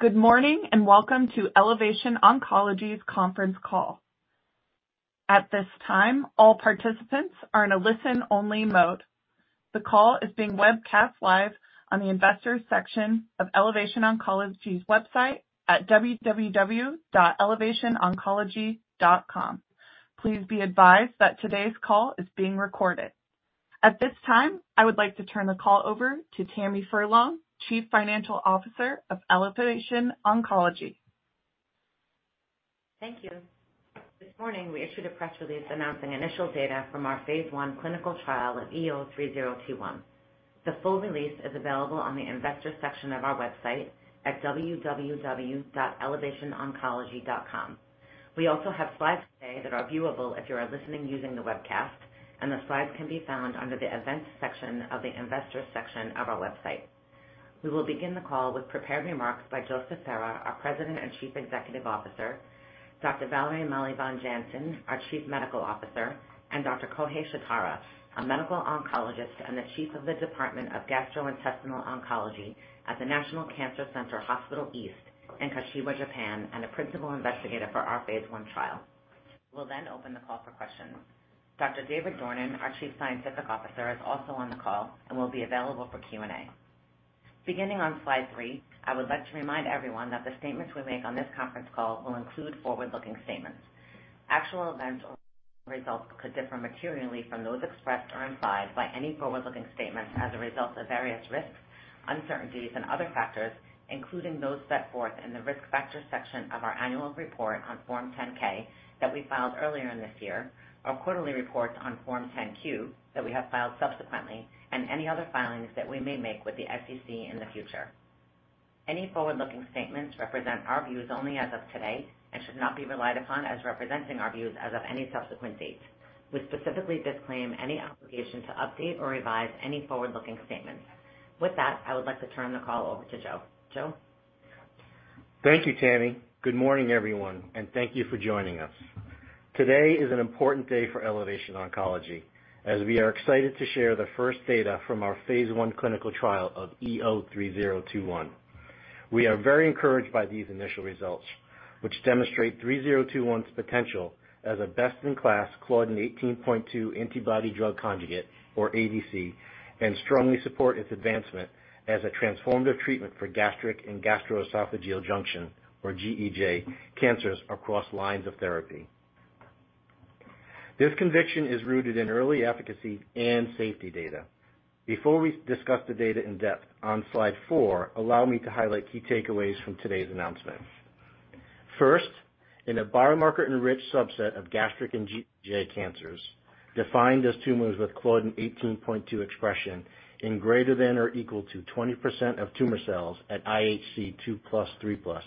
Good morning, and welcome to Elevation Oncology's Conference Call. At this time, all participants are in a listen-only mode. The call is being webcast live on the Investors section of Elevation Oncology's website at www.elevationoncology.com. Please be advised that today's call is being recorded. At this time, I would like to turn the call over to Tammy Furlong, Chief Financial Officer of Elevation Oncology. Thank you. This morning, we issued a press release announcing initial data from our phase I clinical trial of EO-3021. The full release is available on the Investors section of our website at www.elevationoncology.com. We also have slides today that are viewable if you are listening using the webcast, and the slides can be found under the Events section of the Investors section of our website. We will begin the call with prepared remarks by Joseph Ferra, our President and Chief Executive Officer, Dr. Valerie Malyvanh Jansen, our Chief Medical Officer, and Dr. Kohei Shitara, a medical oncologist and the Chief of the Department of Gastrointestinal Oncology at the National Cancer Center Hospital East in Kashiwa, Japan, and a principal investigator for our phase I trial. We'll then open the call for questions. Dr. David Dornan, our Chief Scientific Officer, is also on the call and will be available for Q&A. Beginning on slide three, I would like to remind everyone that the statements we make on this conference call will include forward-looking statements. Actual events or results could differ materially from those expressed or implied by any forward-looking statements as a result of various risks, uncertainties, and other factors, including those set forth in the Risk Factors section of our annual report on Form 10-K that we filed earlier in this year, our quarterly reports on Form 10-Q that we have filed subsequently, and any other filings that we may make with the SEC in the future. Any forward-looking statements represent our views only as of today and should not be relied upon as representing our views as of any subsequent date. We specifically disclaim any obligation to update or revise any forward-looking statements. With that, I would like to turn the call over to Joe. Joe? Thank you, Tammy. Good morning, everyone, and thank you for joining us. Today is an important day for Elevation Oncology, as we are excited to share the first data from our phase I clinical trial of EO-3021. We are very encouraged by these initial results, which demonstrate EO-3021's potential as a best-in-class claudin 18.2 antibody-drug conjugate, or ADC, and strongly support its advancement as a transformative treatment for gastric and gastroesophageal junction, or GEJ, cancers across lines of therapy. This conviction is rooted in early efficacy and safety data. Before we discuss the data in depth on slide four, allow me to highlight key takeaways from today's announcement. First, in a biomarker-enriched subset of gastric and GEJ cancers, defined as tumors with Claudin 18.2 expression in ≥20% of tumor cells at IHC 2+, 3+,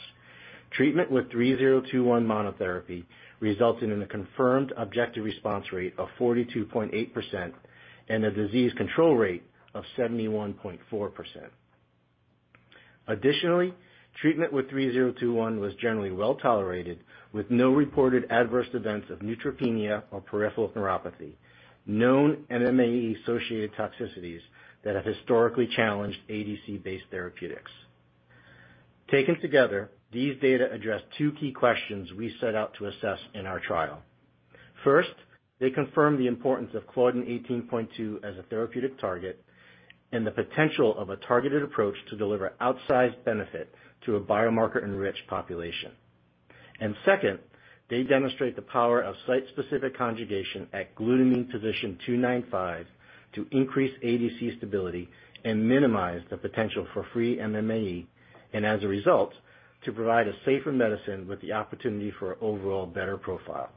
treatment with EO-3021 monotherapy resulted in a confirmed objective response rate of 42.8% and a disease control rate of 71.4%. Additionally, treatment with EO-3021 was generally well-tolerated, with no reported adverse events of neutropenia or peripheral neuropathy, known MMAE-associated toxicities that have historically challenged ADC-based therapeutics. Taken together, these data address two key questions we set out to assess in our trial. First, they confirm the importance of Claudin 18.2 as a therapeutic target and the potential of a targeted approach to deliver outsized benefit to a biomarker-enriched population. And second, they demonstrate the power of site-specific conjugation at glutamine position 295 to increase ADC stability and minimize the potential for free MMAE, and as a result, to provide a safer medicine with the opportunity for an overall better profile.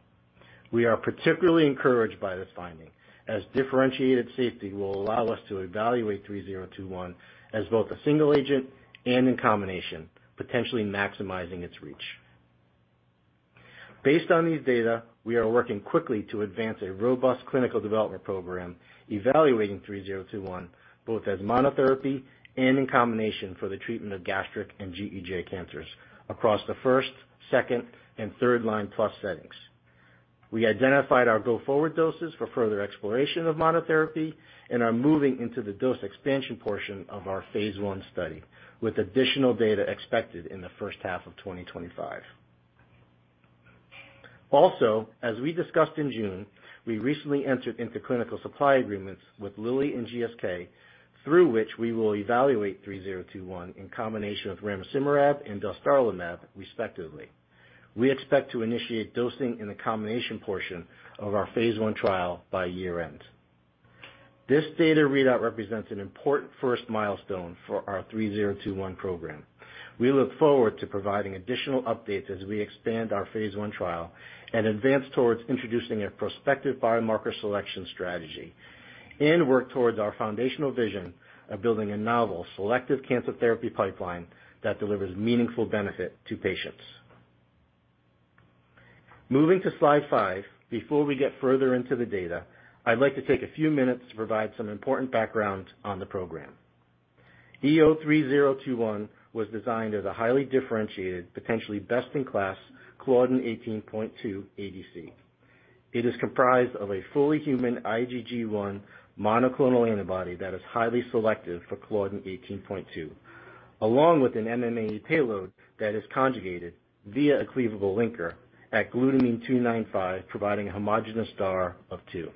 We are particularly encouraged by this finding, as differentiated safety will allow us to evaluate 3021 as both a single agent and in combination, potentially maximizing its reach. Based on these data, we are working quickly to advance a robust clinical development program evaluating 3021, both as monotherapy and in combination for the treatment of gastric and GEJ cancers across the first, second, and third-line plus settings. We identified our go-forward doses for further exploration of monotherapy and are moving into the dose expansion portion of our phase I study, with additional data expected in the first half of 2025. Also, as we discussed in June, we recently entered into clinical supply agreements with Lilly and GSK, through which we will evaluate EO-3021 in combination with ramucirumab and dostarlimab, respectively. We expect to initiate dosing in the combination portion of our phase I trial by year-end. This data readout represents an important first milestone for our EO-3021 program. We look forward to providing additional updates as we expand our phase I trial and advance towards introducing a prospective biomarker selection strategy and work towards our foundational vision of building a novel, selective cancer therapy pipeline that delivers meaningful benefit to patients. Moving to slide five, before we get further into the data, I'd like to take a few minutes to provide some important background on the program. EO-3021 was designed as a highly differentiated, potentially best-in-class claudin 18.2 ADC. It is comprised of a fully human IgG1 monoclonal antibody that is highly selective for claudin 18.2, along with an MMAE payload that is conjugated via a cleavable linker at glutamine 295, providing a homogeneous DAR of two.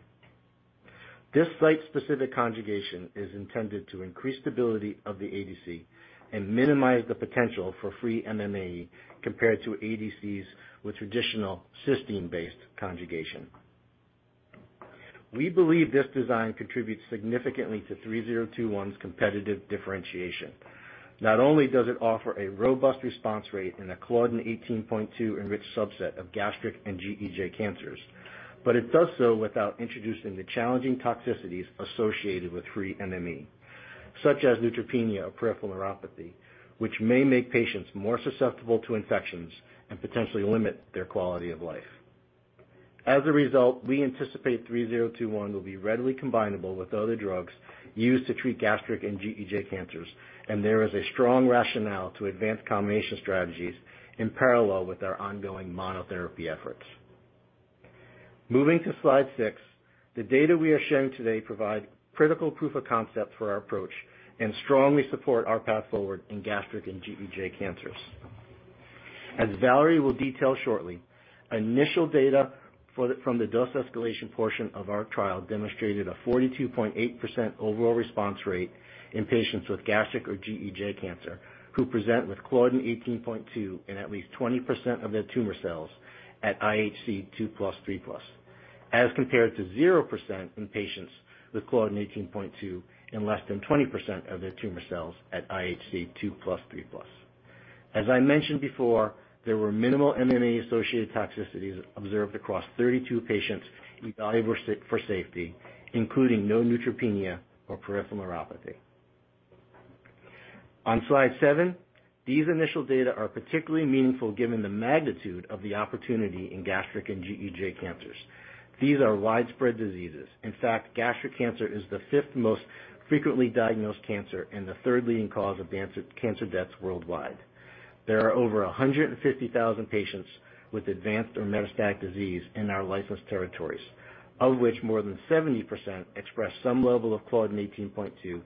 This site-specific conjugation is intended to increase stability of the ADC and minimize the potential for free MMAE compared to ADCs with traditional cysteine-based conjugation. We believe this design contributes significantly to 3021's competitive differentiation. Not only does it offer a robust response rate in a claudin 18.2-enriched subset of gastric and GEJ cancers, but it does so without introducing the challenging toxicities associated with free MMAE, such as neutropenia or peripheral neuropathy, which may make patients more susceptible to infections and potentially limit their quality of life. As a result, we anticipate EO-3021 will be readily combinable with other drugs used to treat gastric and GEJ cancers, and there is a strong rationale to advance combination strategies in parallel with our ongoing monotherapy efforts. Moving to slide six, the data we are sharing today provide critical proof of concept for our approach and strongly support our path forward in gastric and GEJ cancers. As Valerie will detail shortly, initial data from the dose escalation portion of our trial demonstrated a 42.8% overall response rate in patients with gastric or GEJ cancer, who present with claudin 18.2 in at least 20% of their tumor cells at IHC 2+, 3+, as compared to 0% in patients with claudin 18.2 in less than 20% of their tumor cells at IHC 2+, 3+. As I mentioned before, there were minimal MMAE-associated toxicities observed across 32 patients evaluated for safety, including no neutropenia or peripheral neuropathy. On slide seven, these initial data are particularly meaningful given the magnitude of the opportunity in gastric and GEJ cancers. These are widespread diseases. In fact, gastric cancer is the fifth most frequently diagnosed cancer and the third leading cause of cancer deaths worldwide. There are over 150,000 patients with advanced or metastatic disease in our licensed territories, of which more than 70% express some level of Claudin 18.2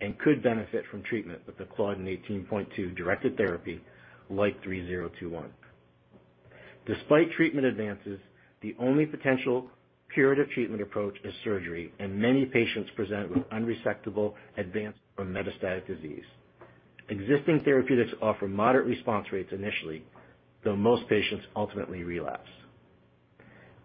and could benefit from treatment with the Claudin 18.2-directed therapy like 3021. Despite treatment advances, the only potential curative treatment approach is surgery, and many patients present with unresectable advanced or metastatic disease. Existing therapeutics offer moderate response rates initially, though most patients ultimately relapse.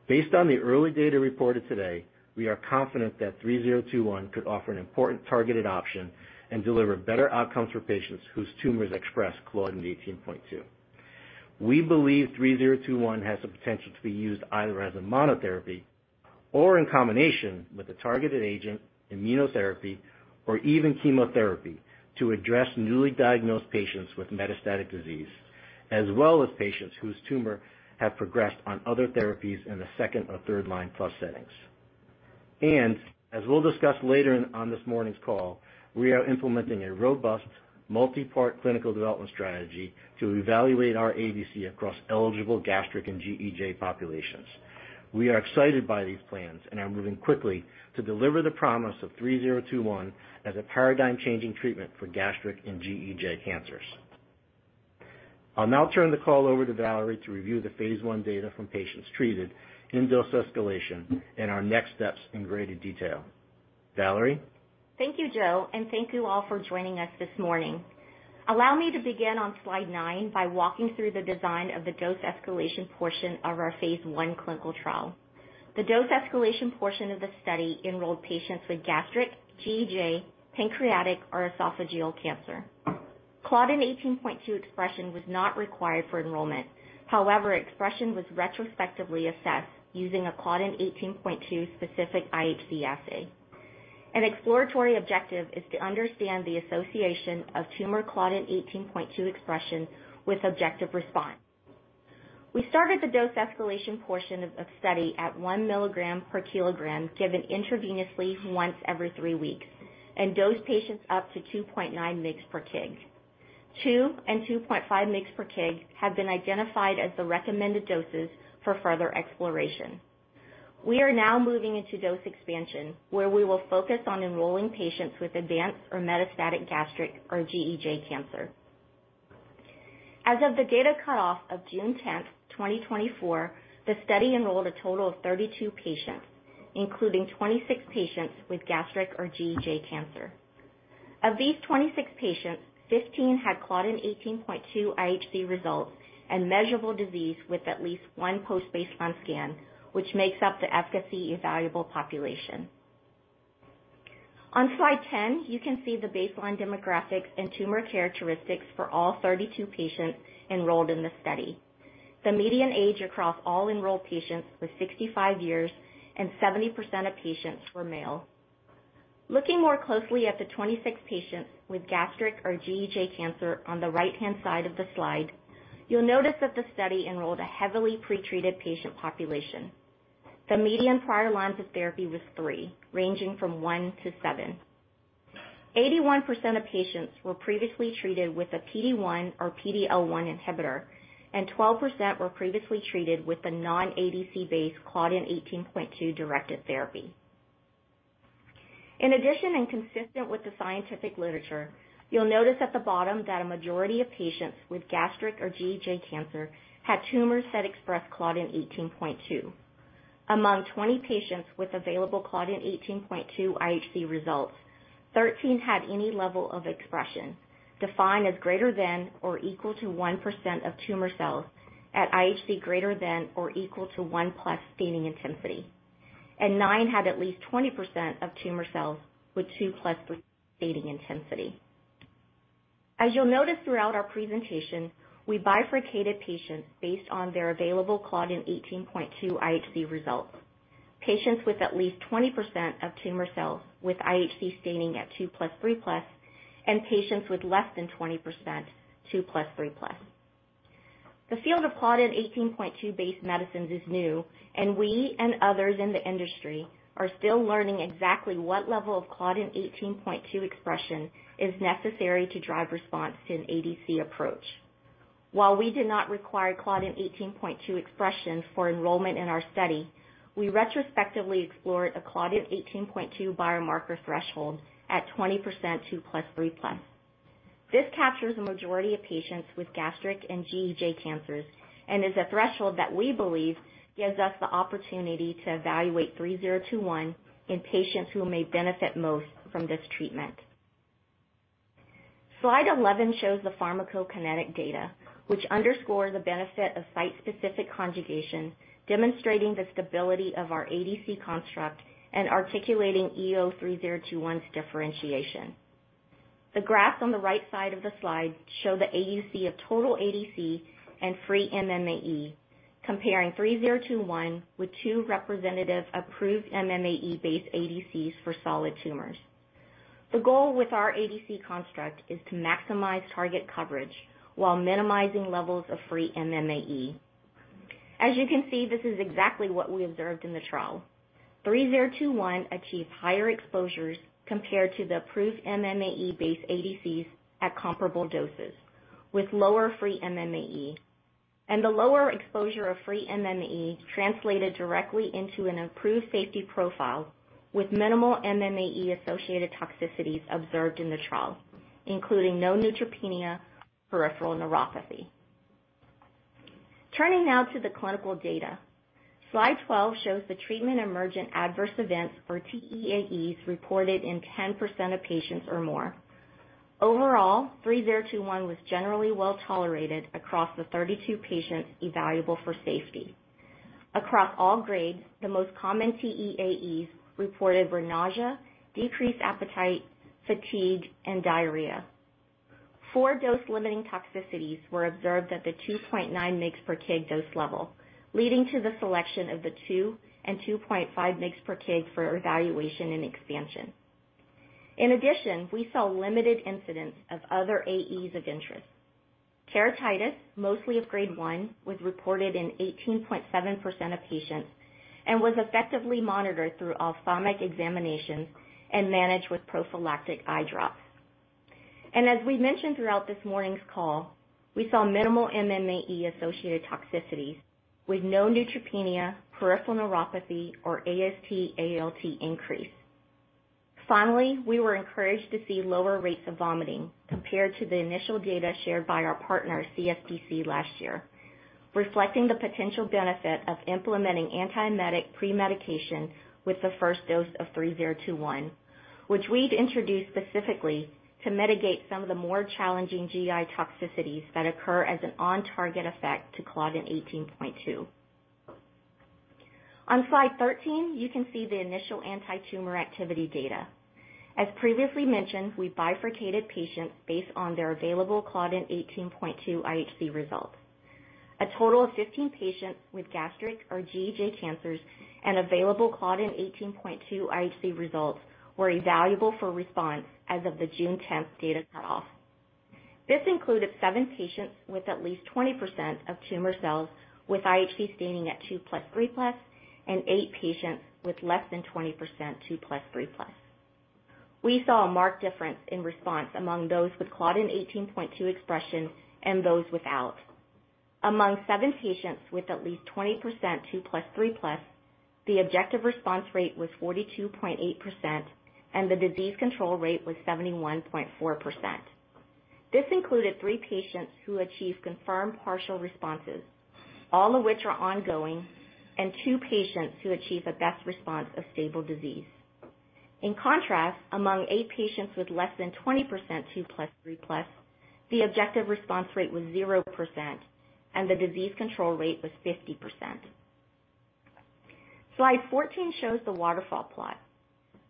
Based on the early data reported today, we are confident that 3021 could offer an important targeted option and deliver better outcomes for patients whose tumors express Claudin 18.2. We believe EO-3021 has the potential to be used either as a monotherapy or in combination with a targeted agent, immunotherapy, or even chemotherapy, to address newly diagnosed patients with metastatic disease, as well as patients whose tumor have progressed on other therapies in the second or third-line plus settings. As we'll discuss later in, on this morning's call, we are implementing a robust, multi-part clinical development strategy to evaluate our ADC across eligible gastric and GEJ populations. We are excited by these plans and are moving quickly to deliver the promise of EO-3021 as a paradigm-changing treatment for gastric and GEJ cancers. I'll now turn the call over to Valerie to review the phase I data from patients treated in dose escalation and our next steps in greater detail. Valerie? Thank you, Joe, and thank you all for joining us this morning. Allow me to begin on slide nine by walking through the design of the dose escalation portion of our phase I clinical trial. The dose escalation portion of the study enrolled patients with gastric, GEJ, pancreatic, or esophageal cancer. Claudin 18.2 expression was not required for enrollment. However, expression was retrospectively assessed using a Claudin 18.2 specific IHC assay. An exploratory objective is to understand the association of tumor Claudin 18.2 expression with objective response. We started the dose escalation portion of study at 1 milligram per kilogram, given intravenously once every three weeks, and dosed patients up to 2.9 mg per kg. Two and 2.5 mg per kg have been identified as the recommended doses for further exploration. We are now moving into dose expansion, where we will focus on enrolling patients with advanced or metastatic gastric or GEJ cancer. As of the data cutoff of June 10, 2024, the study enrolled a total of 32 patients, including 26 patients with gastric or GEJ cancer. Of these 26 patients, 15 had Claudin 18.2 IHC results and measurable disease with at least one post-baseline scan, which makes up the efficacy evaluable population. On slide 10, you can see the baseline demographics and tumor characteristics for all 32 patients enrolled in the study. The median age across all enrolled patients was 65 years, and 70% of patients were male. Looking more closely at the 26 patients with gastric or GEJ cancer on the right-hand side of the slide, you'll notice that the study enrolled a heavily pretreated patient population. The median prior lines of therapy was three, ranging from 1-7. Eighty-one percent of patients were previously treated with a PD-1 or PD-L1 inhibitor, and 12% were previously treated with a non-ADC-based claudin 18.2-directed therapy. In addition, and consistent with the scientific literature, you'll notice at the bottom that a majority of patients with gastric or GEJ cancer had tumors that expressed claudin 18.2. Among 20 patients with available claudin 18.2 IHC results, 13 had any level of expression, defined as greater than or equal to 1% of tumor cells at IHC greater than or equal to 1+ staining intensity, and 9 had at least 20% of tumor cells with 2+ staining intensity. As you'll notice throughout our presentation, we bifurcated patients based on their available claudin 18.2 IHC results. Patients with at least 20% of tumor cells with IHC staining at 2+, 3+, and patients with less than 20%, 2+, 3+. The field of claudin 18.2-based medicines is new, and we and others in the industry are still learning exactly what level of claudin 18.2 expression is necessary to drive response to an ADC approach. While we did not require claudin 18.2 expression for enrollment in our study, we retrospectively explored a claudin 18.2 biomarker threshold at 20%, 2+, 3+. This captures a majority of patients with gastric and GEJ cancers and is a threshold that we believe gives us the opportunity to evaluate EO-3021 in patients who may benefit most from this treatment. slide 11 shows the pharmacokinetic data, which underscores the benefit of site-specific conjugation, demonstrating the stability of our ADC construct and articulating EO-3021's differentiation. The graph on the right side of the slide shows the AUC of total ADC and free MMAE, comparing EO-3021 with two representative approved MMAE-based ADCs for solid tumors. The goal with our ADC construct is to maximize target coverage while minimizing levels of free MMAE. As you can see, this is exactly what we observed in the trial. EO-3021 achieved higher exposures compared to the approved MMAE-based ADCs at comparable doses, with lower free MMAE. And the lower exposure of free MMAE translated directly into an improved safety profile, with minimal MMAE-associated toxicities observed in the trial, including no neutropenia, peripheral neuropathy. Turning now to the clinical data. slide 12 shows the treatment-emergent adverse events, or TEAEs, reported in 10% of patients or more. Overall, EO-3021 was generally well tolerated across the 32 patients evaluable for safety. Across all grades, the most common TEAEs reported were nausea, decreased appetite, fatigue, and diarrhea. Four dose-limiting toxicities were observed at the 2.9 mg/kg dose level, leading to the selection of the 2 and 2.5 mg/kg for evaluation and expansion. In addition, we saw limited incidents of other AEs of interest. Keratitis, mostly of grade 1, was reported in 18.7% of patients and was effectively monitored through ophthalmic examination and managed with prophylactic eye drops. As we mentioned throughout this morning's call, we saw minimal MMAE-associated toxicities, with no neutropenia, peripheral neuropathy, or AST/ALT increase. Finally, we were encouraged to see lower rates of vomiting compared to the initial data shared by our partner, CSPC, last year, reflecting the potential benefit of implementing antiemetic premedication with the first dose of EO-3021, which we've introduced specifically to mitigate some of the more challenging GI toxicities that occur as an on-target effect to claudin 18.2. On slide 13, you can see the initial antitumor activity data. As previously mentioned, we bifurcated patients based on their available claudin 18.2 IHC results. A total of 15 patients with gastric or GEJ cancers and available claudin 18.2 IHC results were evaluable for response as of the June tenth data cutoff. This included seven patients with at least 20% of tumor cells with IHC staining at 2+, 3+, and eight patients with less than 20%, 2+, 3+. We saw a marked difference in response among those with Claudin 18.2 expression and those without. Among seven patients with at least 20%, 2+, 3+, the objective response rate was 42.8%, and the disease control rate was 71.4%. This included three patients who achieved confirmed partial responses, all of which are ongoing, and two patients who achieved a best response of stable disease. In contrast, among eight patients with less than 20%, 2+, 3+, the objective response rate was 0%, and the disease control rate was 50%. slide 14 shows the waterfall plot.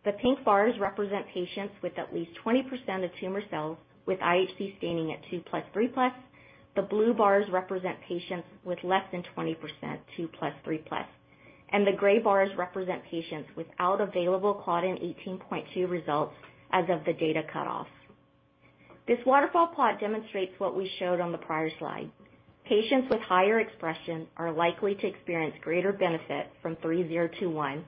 The pink bars represent patients with at least 20% of tumor cells with IHC staining at 2+, 3+. The blue bars represent patients with less than 20%, 2+, 3+. The gray bars represent patients without available claudin 18.2 results as of the data cutoff. This waterfall plot demonstrates what we showed on the prior slide. Patients with higher expression are likely to experience greater benefit from EO-3021,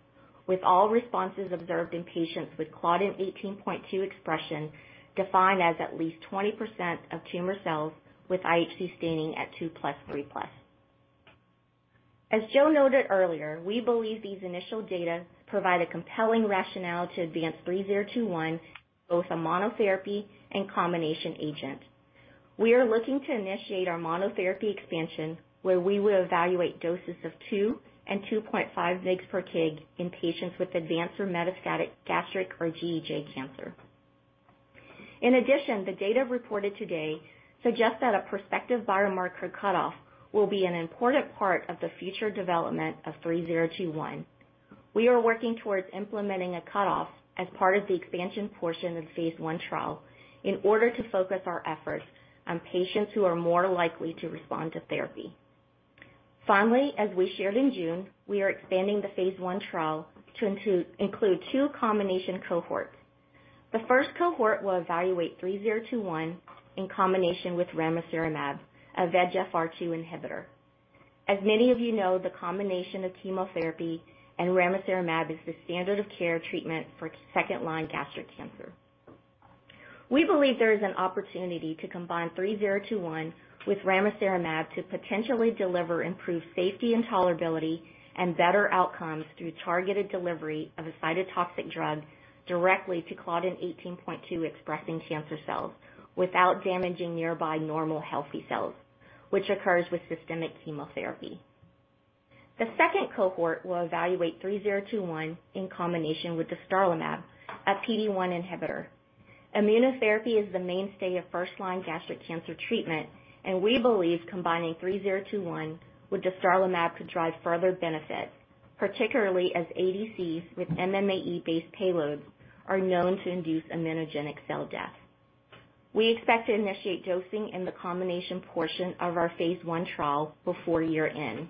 with all responses observed in patients with claudin 18.2 expression, defined as at least 20% of tumor cells with IHC staining at 2+, 3+. As Joe noted earlier, we believe these initial data provide a compelling rationale to advance EO-3021, both as a monotherapy and combination agent. We are looking to initiate our monotherapy expansion, where we will evaluate doses of 2 and 2.5 mg/kg in patients with advanced or metastatic gastric or GEJ cancer. In addition, the data reported today suggests that a prospective biomarker cutoff will be an important part of the future development of EO-3021. We are working towards implementing a cutoff as part of the expansion portion of the phase I trial in order to focus our efforts on patients who are more likely to respond to therapy. Finally, as we shared in June, we are expanding the phase I trial to include two combination cohorts. The first cohort will evaluate EO-3021 in combination with ramucirumab, a VEGFR2 inhibitor. As many of you know, the combination of chemotherapy and ramucirumab is the standard of care treatment for second-line gastric cancer. We believe there is an opportunity to combine EO-3021 with ramucirumab to potentially deliver improved safety and tolerability, and better outcomes through targeted delivery of a cytotoxic drug directly to claudin 18.2 expressing cancer cells, without damaging nearby normal, healthy cells, which occurs with systemic chemotherapy. The second cohort will evaluate EO-3021 in combination with dostarlimab, a PD-1 inhibitor. Immunotherapy is the mainstay of first-line gastric cancer treatment, and we believe combining EO-3021 with dostarlimab could drive further benefit, particularly as ADCs with MMAE-based payloads are known to induce immunogenic cell death. We expect to initiate dosing in the combination portion of our phase I trial before year-end.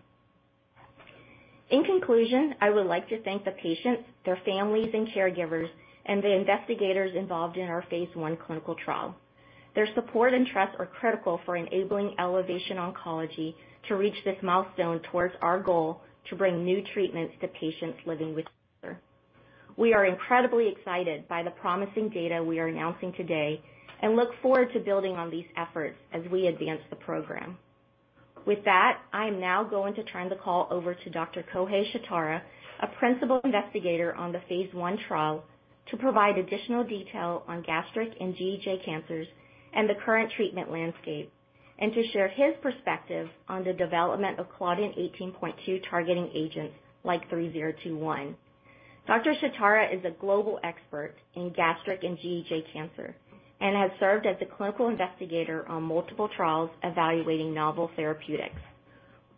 In conclusion, I would like to thank the patients, their families and caregivers, and the investigators involved in our phase I clinical trial. Their support and trust are critical for enabling Elevation Oncology to reach this milestone towards our goal to bring new treatments to patients living with cancer. We are incredibly excited by the promising data we are announcing today, and look forward to building on these efforts as we advance the program. With that, I am now going to turn the call over to Dr. Kohei Shitara, a principal investigator on the phase I trial, to provide additional detail on gastric and GEJ cancers and the current treatment landscape, and to share his perspective on the development of claudin 18.2 targeting agents like EO-3021. Dr. Shitara is a global expert in gastric and GEJ cancer and has served as a clinical investigator on multiple trials evaluating novel therapeutics.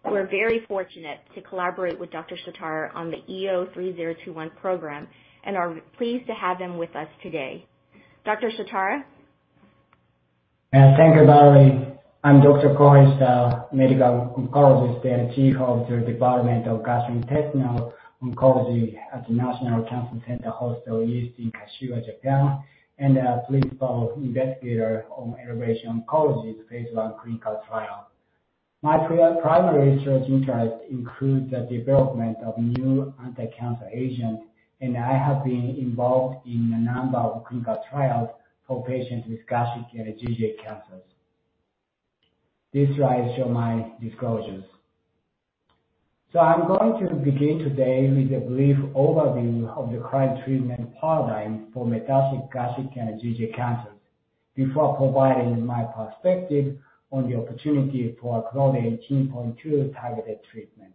We're very fortunate to collaborate with Dr. Shitara on the EO-3021 program and are pleased to have him with us today. Dr. Shitara? Thank you, Valerie. I'm Dr. Kohei Shitara, Medical Oncologist and Chief of the Department of Gastrointestinal Oncology at the National Cancer Center Hospital East in Kashiwa, Japan, and Principal Investigator on Elevation Oncology's phase I clinical trial. My primary research interests include the development of new anti-cancer agents, and I have been involved in a number of clinical trials for patients with gastric and GEJ cancers. This slide shows my disclosures. So I'm going to begin today with a brief overview of the current treatment paradigm for metastatic gastric and GEJ cancers, before providing my perspective on the opportunity for Claudin 18.2-targeted treatment.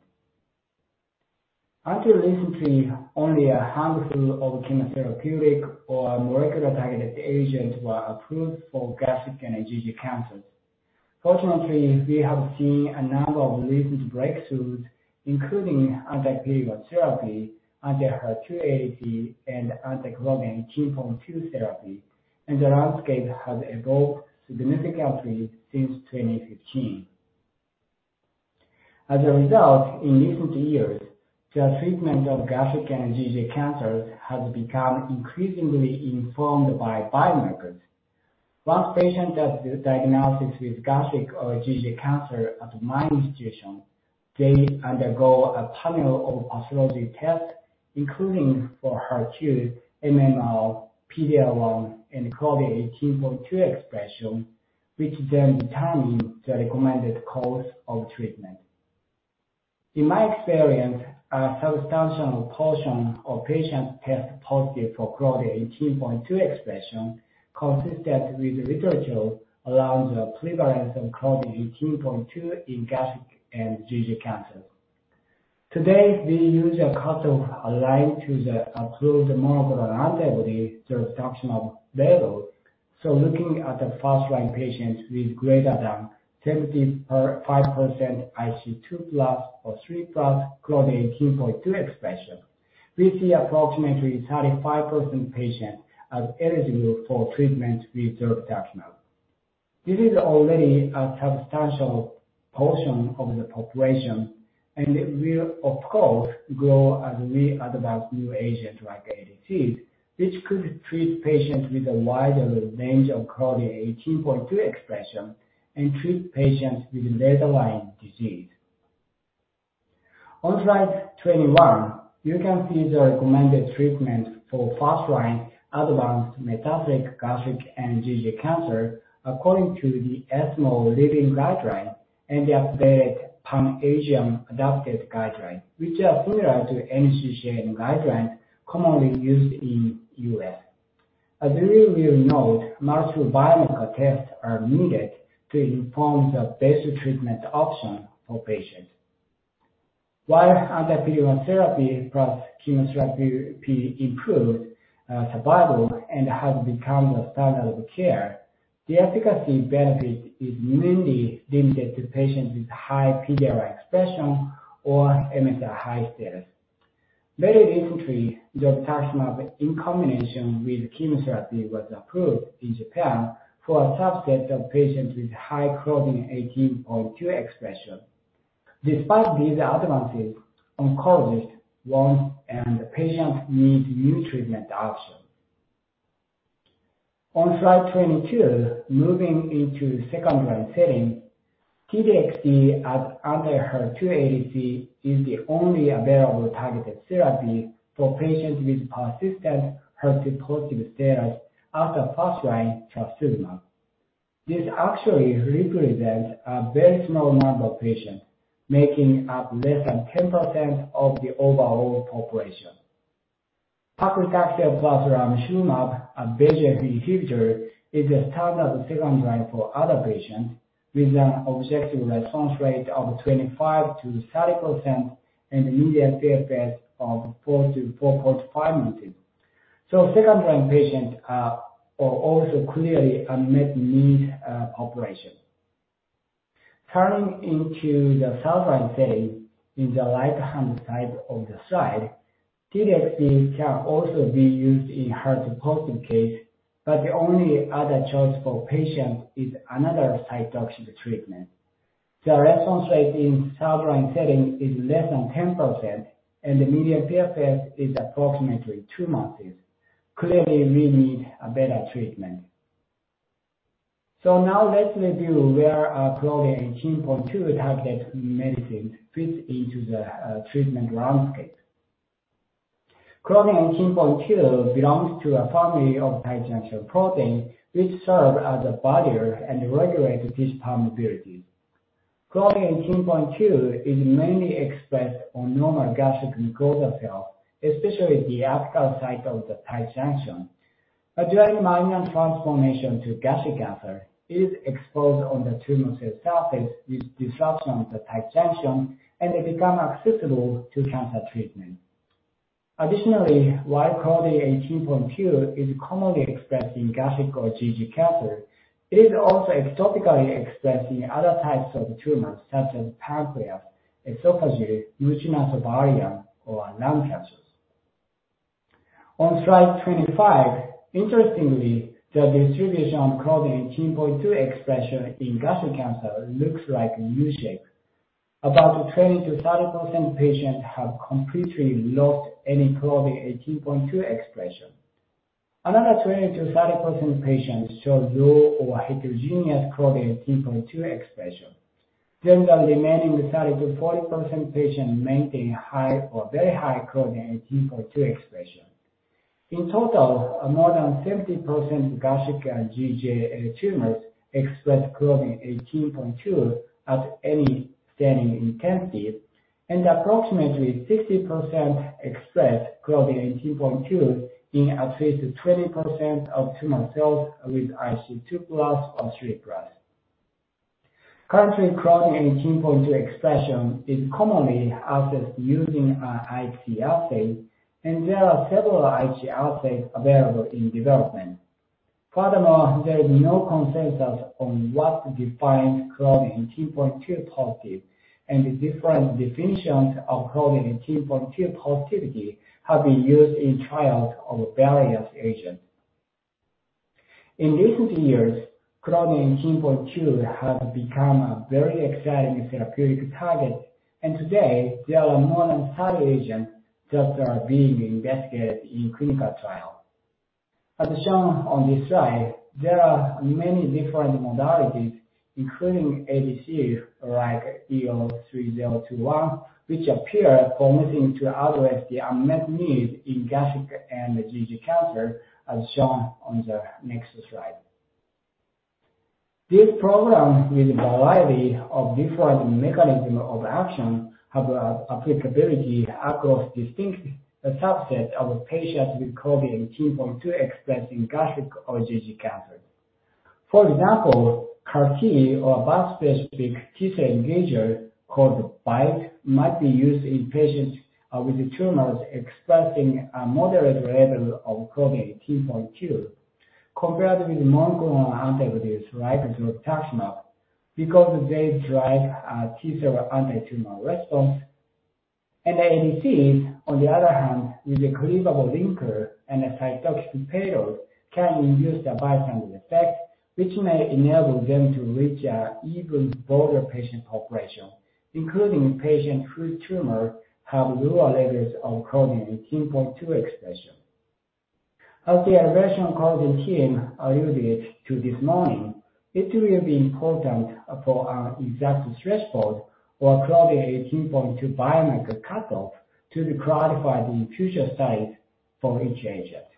Until recently, only a handful of chemotherapeutic or molecular-targeted agents were approved for gastric and GEJ cancers. Fortunately, we have seen a number of recent breakthroughs, including anti-PD-L1 therapy, anti-HER2 ADC, and anti-claudin 18.2 therapy, and the landscape has evolved significantly since 2015. As a result, in recent years, the treatment of gastric and GEJ cancers has become increasingly informed by biomarkers. Once a patient has a diagnosis with gastric or GEJ cancer at my institution, they undergo a panel of pathology tests, including for HER2, MMR, PD-L1, and claudin 18.2 expression, which then determine the recommended course of treatment. In my experience, a substantial portion of patients test positive for claudin 18.2 expression, consistent with the literature around the prevalence of claudin 18.2 in gastric and GEJ cancer. Today, we use a cutoff aligned to the approved monoclonal antibody, the zolbetuximab approval level. So looking at the first-line patients with greater than 75% IHC2+ or 3+ claudin 18.2 expression, we see approximately 35% of patients are eligible for treatment with zolbetuximab. This is already a substantial portion of the population, and it will of course grow as we advance new agents like ADCs, which could treat patients with a wider range of claudin 18.2 expression and treat patients with later line disease. On slide 21, you can see the recommended treatment for first-line advanced metastatic gastric and GEJ cancer according to the ESMO living guideline and the updated Pan-Asian adapted guideline, which are similar to NCCN guideline commonly used in U.S. As you will note, multiple biomarker tests are needed to inform the best treatment option for patients. While anti-PD-L1 therapy plus chemotherapy improves survival and has become the standard of care, the efficacy benefit is mainly limited to patients with high PD-L1 expression or MSI-high status. Very recently, the taxane in combination with chemotherapy was approved in Japan for a subset of patients with high claudin 18.2 expression. Despite these advances, oncologists want and the patients need new treatment options. On slide 22, moving into second-line setting, T-DXd as anti-HER2 ADC is the only available targeted therapy for patients with persistent HER2-positive status after first-line trastuzumab. This actually represents a very small number of patients, making up less than 10% of the overall population. Paclitaxel plus ramucirumab, a VEGF inhibitor, is the standard second line for other patients, with an objective response rate of 25%-30% and a median PFS of 4-4.5 months. So second-line patients are, are also clearly unmet need, uh, population. Turning into the third-line setting in the right-hand side of the slide, T-DXd can also be used in HER2-positive case, but the only other choice for patient is another taxane treatment. The response rate in third-line setting is less than 10%, and the median PFS is approximately two months. Clearly, we need a better treatment. So now let's review where our claudin 18.2 target medicine fits into the, uh, treatment landscape. Claudin 18.2 belongs to a family of tight junction protein, which serve as a barrier and regulate tissue permeability. Claudin 18.2 is mainly expressed on normal gastric mucosal cells, especially the apical side of the tight junction. But during malignant transformation to gastric cancer, it is exposed on the tumor cell surface with disruption of the tight junction, and it become accessible to cancer treatment. Additionally, while claudin 18.2 is commonly expressed in gastric or GEJ cancer, it is also ectopically expressed in other types of tumors, such as pancreatic, esophagus, mucinous ovarian, or lung cancers. On slide 25, interestingly, the distribution of claudin 18.2 expression in gastric cancer looks like U-shape. About 20%-30% patients have completely lost any claudin 18.2 expression. Another 20%-30% patients show low or heterogeneous claudin 18.2 expression. Then the remaining 30%-40% patients maintain a high or very high claudin 18.2 expression. In total, more than 70% gastric and GEJ tumors express claudin 18.2 at any staining intensity, and approximately 60% express claudin 18.2 in up to 20% of tumor cells with IHC 2+ or 3+. Currently, claudin 18.2 expression is commonly assessed using IHC assay, and there are several IHC assays available in development. Furthermore, there is no consensus on what defines claudin 18.2 positive, and the different definitions of claudin 18.2 positivity have been used in trials of various agents. In recent years, claudin 18.2 has become a very exciting therapeutic target, and today there are more than 30 agents that are being investigated in clinical trial. As shown on this slide, there are many different modalities, including ADC, like EO-3021, which appear promising to address the unmet need in gastric and GEJ cancer, as shown on the next slide. This program, with a variety of different mechanism of action, have a applicability across distinct subset of patients with claudin 18.2 expressed in gastric or GEJ cancer. For example, CAR T or a bispecific T-cell engager, called BiTE, might be used in patients, with tumors expressing a moderate level of claudin 18.2, compared with monoclonal antibodies, like zolbetuximab, because they drive a T-cell anti-tumor response. And the ADC, on the other hand, with a cleavable linker and a cytotoxic payload, can induce a bystander effect, which may enable them to reach an even broader patient population, including patients whose tumor have lower levels of CLDN18.2 expression. As the Elevation Oncology team alluded to this morning, it will be important for our exact threshold or CLDN18.2 biomarker cutoff to be clarified in future studies for each agent.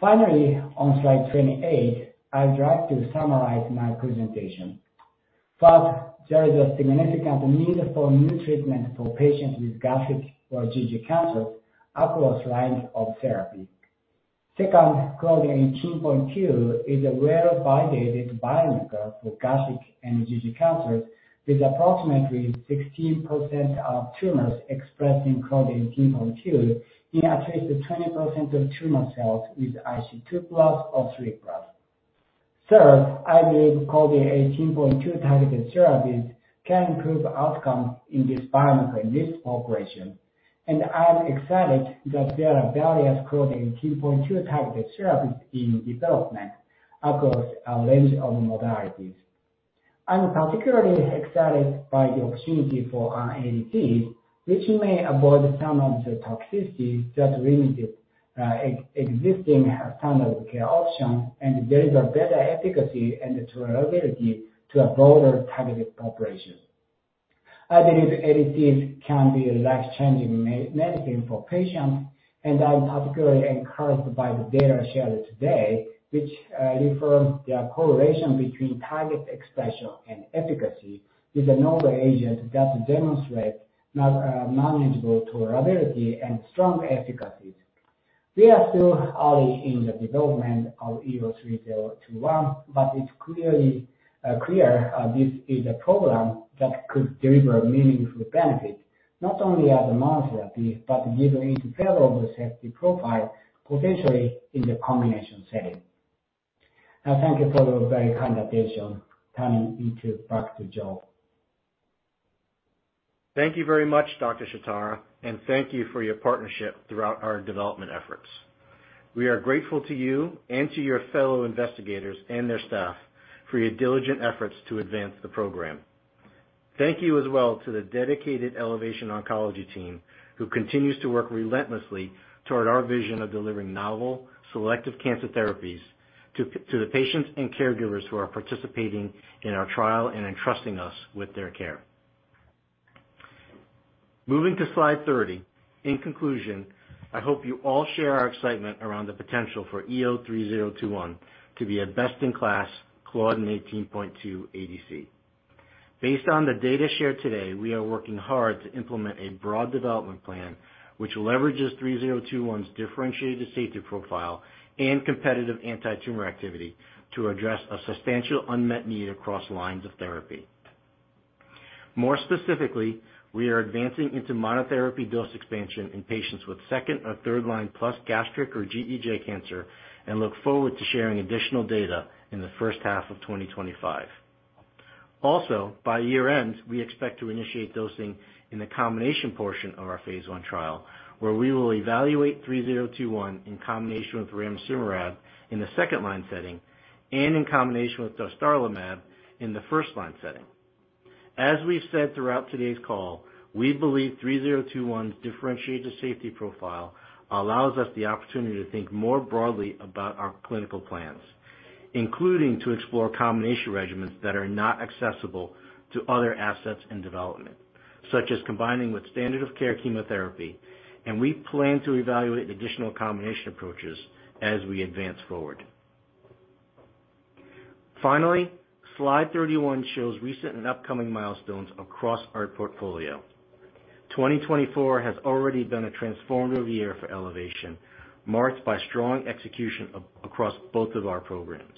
Finally, on slide 28, I'd like to summarize my presentation. First, there is a significant need for new treatments for patients with gastric or GEJ cancers across lines of therapy. Second, CLDN18.2 is a well-validated biomarker for gastric and GEJ cancers, with approximately 16% of tumors expressing CLDN18.2 in at least 20% of tumor cells with IHC 2+ or 3+. Third, I believe CLDN18.2-targeted therapies can improve outcomes in this biomarker, in this population, and I'm excited that there are various CLDN18.2-targeted therapies in development across a range of modalities. I'm particularly excited by the opportunity for our ADCs, which may avoid some of the toxicities that limit existing standard of care options, and there is a better efficacy and tolerability to a broader targeted population. I believe ADCs can be a life-changing medicine for patients, and I'm particularly encouraged by the data shared today, which confirms the correlation between target expression and efficacy with the novel agent that demonstrates notable manageable tolerability and strong efficacy. We are still early in the development of EO-3021, but it's clearly clear this is a program that could deliver meaningful benefit, not only as monotherapy, but given its favorable safety profile, potentially in the combination setting. I thank you for your very kind attention, turning it back to Joe. Thank you very much, Dr. Shitara, and thank you for your partnership throughout our development efforts. We are grateful to you and to your fellow investigators and their staff for your diligent efforts to advance the program. Thank you as well to the dedicated Elevation Oncology team, who continues to work relentlessly toward our vision of delivering novel, selective cancer therapies to the patients and caregivers who are participating in our trial and entrusting us with their care. Moving to slide 30, in conclusion, I hope you all share our excitement around the potential for EO-3021 to be a best-in-class CLDN18.2 ADC. Based on the data shared today, we are working hard to implement a broad development plan, which leverages EO-3021's differentiated safety profile and competitive antitumor activity to address a substantial unmet need across lines of therapy. More specifically, we are advancing into monotherapy dose expansion in patients with second or third line plus gastric or GEJ cancer, and look forward to sharing additional data in the first half of 2025. Also, by year-end, we expect to initiate dosing in the combination portion of our phase I trial, where we will evaluate EO-3021 in combination with ramucirumab in the second-line setting and in combination with dostarlimab in the first-line setting. As we've said throughout today's call, we believe EO-3021's differentiated safety profile allows us the opportunity to think more broadly about our clinical plans, including to explore combination regimens that are not accessible to other assets in development, such as combining with standard of care chemotherapy. And we plan to evaluate additional combination approaches as we advance forward. Finally, slide 31 shows recent and upcoming milestones across our portfolio. 2024 has already been a transformative year for Elevation, marked by strong execution across both of our programs.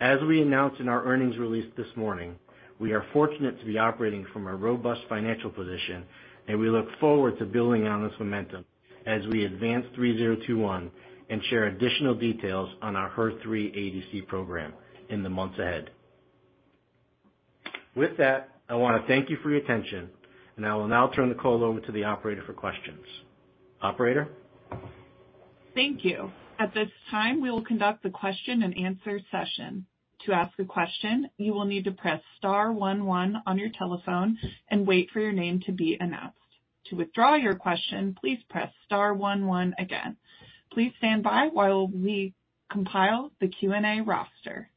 As we announced in our earnings release this morning, we are fortunate to be operating from a robust financial position, and we look forward to building on this momentum as we advance EO-3021 and share additional details on our HER3 ADC program in the months ahead. With that, I want to thank you for your attention, and I will now turn the call over to the operator for questions. Operator? Thank you. At this time, we will conduct a question-and-answer session. To ask a question, you will need to press star one one on your telephone and wait for your name to be announced. To withdraw your question, please press star one one again. Please stand by while we compile the Q&A roster.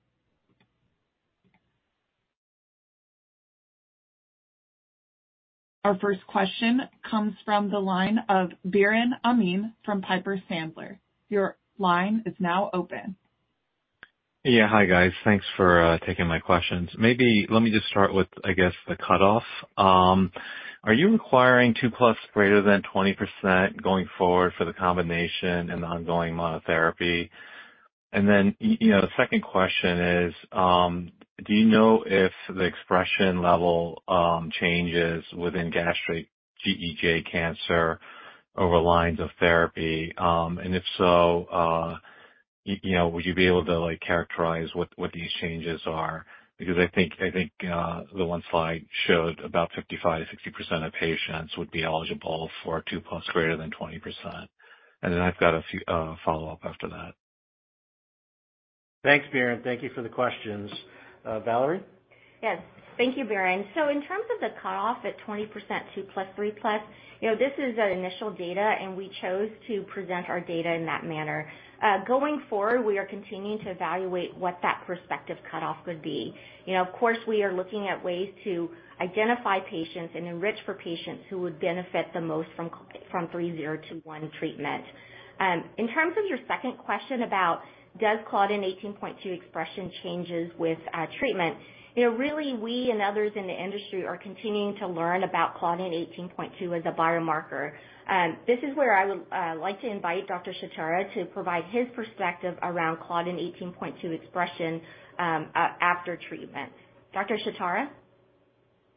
Our first question comes from the line of Biren Amin from Piper Sandler. Your line is now open. Yeah. Hi, guys. Thanks for taking my questions. Maybe let me just start with, I guess, the cutoff. Are you requiring 2+ greater than 20% going forward for the combination and the ongoing monotherapy? And then, you know, the second question is, do you know if the expression level changes within gastric GEJ cancer over lines of therapy? And if so, you know, would you be able to, like, characterize what these changes are? Because I think, I think, the one slide showed about 55-60% of patients would be eligible for 2+ greater than 20%. And then I've got a few follow-up after that. Thanks, Biren. Thank you for the questions. Valerie? Yes, thank you, Biren. So in terms of the cutoff at 20% 2+, 3+, you know, this is our initial data, and we chose to present our data in that manner. Going forward, we are continuing to evaluate what that prospective cutoff could be. You know, of course, we are looking at ways to identify patients and enrich for patients who would benefit the most from from three-zero-two-one treatment. In terms of your second question about does claudin 18.2 expression changes with treatment? You know, really, we and others in the industry are continuing to learn about claudin 18.2 as a biomarker. This is where I would like to invite Dr. Shitara to provide his perspective around claudin 18.2 expression after treatment. Dr. Shitara?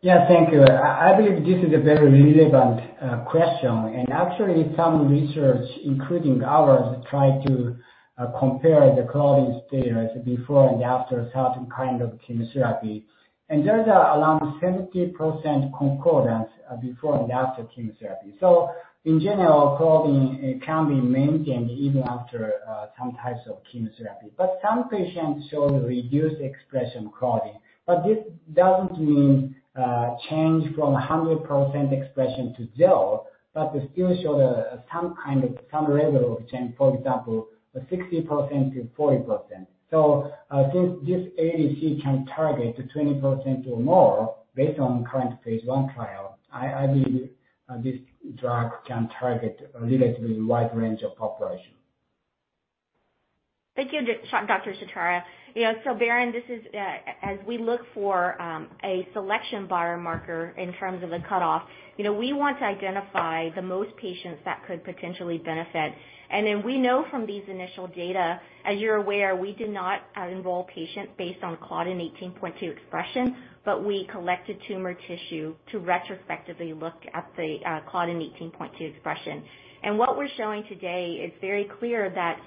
Yeah, thank you. I, I believe this is a very relevant question. And actually, some research, including ours, try to compare the claudin status before and after certain kind of chemotherapy. And there is around 70% concordance before and after chemotherapy. So in general, claudin, it can be maintained even after some types of chemotherapy. But some patients show reduced expression claudin, but this doesn't mean change from 100% expression to zero, but it still show the, some kind of, some level of change, for example, 60%-40%. So, since this ADC can target to 20% or more based on current phase I trial, I, I believe this drug can target a relatively wide range of population. Thank you, Dr. Shitara. You know, so Biren, this is as we look for a selection biomarker in terms of the cutoff, you know, we want to identify the most patients that could potentially benefit. And then we know from these initial data, as you're aware, we did not enroll patients based on claudin 18.2 expression, but we collected tumor tissue to retrospectively look at the claudin 18.2 expression. And what we're showing today is very clear that,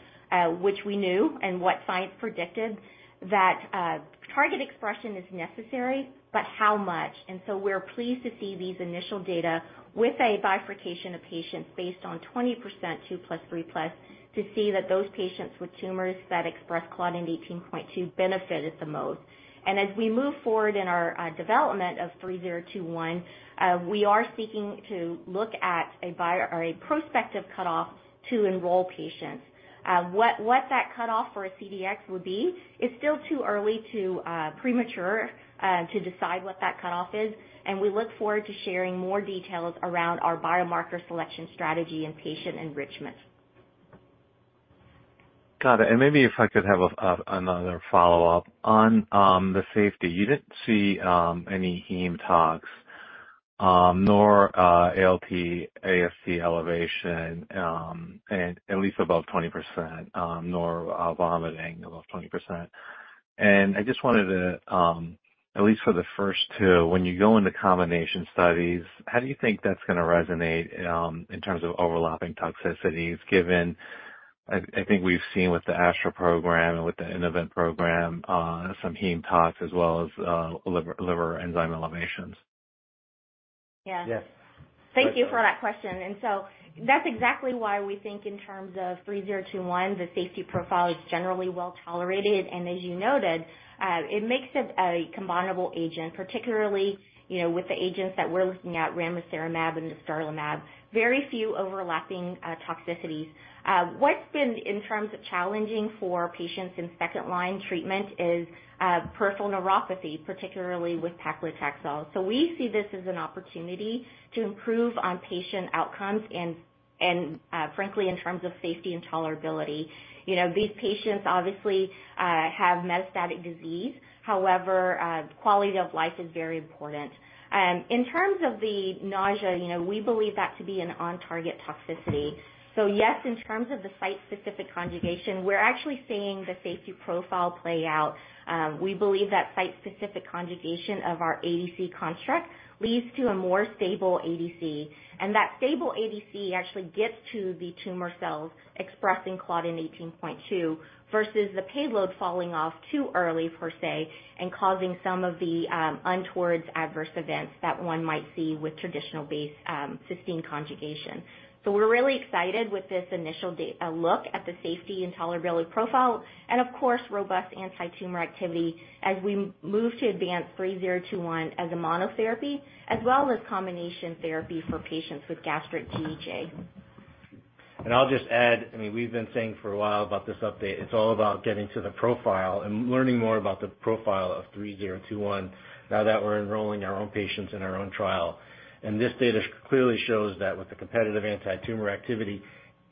which we knew and what science predicted, that target expression is necessary, but how much? And so we're pleased to see these initial data with a bifurcation of patients based on 20% 2+, 3+, to see that those patients with tumors that express claudin 18.2 benefited the most. As we move forward in our development of EO-3021, we are seeking to look at a prior- or a prospective cutoff to enroll patients. What that cutoff for a CDX would be is still too early, premature, to decide what that cutoff is, and we look forward to sharing more details around our biomarker selection strategy and patient enrichment. Got it, and maybe if I could have another follow-up. On the safety, you didn't see any heme tox nor ALP, AST elevation, and at least above 20%, nor vomiting above 20%. And I just wanted to at least for the first two, when you go into combination studies, how do you think that's gonna resonate in terms of overlapping toxicities, given I think we've seen with the Astra program and with the Innovent program some heme tox as well as liver, liver enzyme elevations? Yeah. Yes. Thank you for that question. So that's exactly why we think in terms of EO-3021, the safety profile is generally well tolerated, and as you noted, it makes it a combinable agent, particularly, you know, with the agents that we're looking at, ramucirumab and dostarlimab, very few overlapping toxicities. What's been in terms of challenging for patients in second line treatment is peripheral neuropathy, particularly with paclitaxel. So we see this as an opportunity to improve on patient outcomes and frankly, in terms of safety and tolerability. You know, these patients obviously have metastatic disease. However, quality of life is very important. In terms of the nausea, you know, we believe that to be an on-target toxicity. So yes, in terms of the site-specific conjugation, we're actually seeing the safety profile play out. We believe that site-specific conjugation of our ADC construct leads to a more stable ADC, and that stable ADC actually gets to the tumor cells expressing claudin 18.2, versus the payload falling off too early, per se, and causing some of the untowards adverse events that one might see with traditional base cysteine conjugation. So we're really excited with this initial data look at the safety and tolerability profile, and of course, robust antitumor activity as we move to advance EO-3021 as a monotherapy, as well as combination therapy for patients with gastric GEJ. And I'll just add, I mean, we've been saying for a while about this update. It's all about getting to the profile and learning more about the profile of EO-3021 now that we're enrolling our own patients in our own trial. And this data clearly shows that with the competitive antitumor activity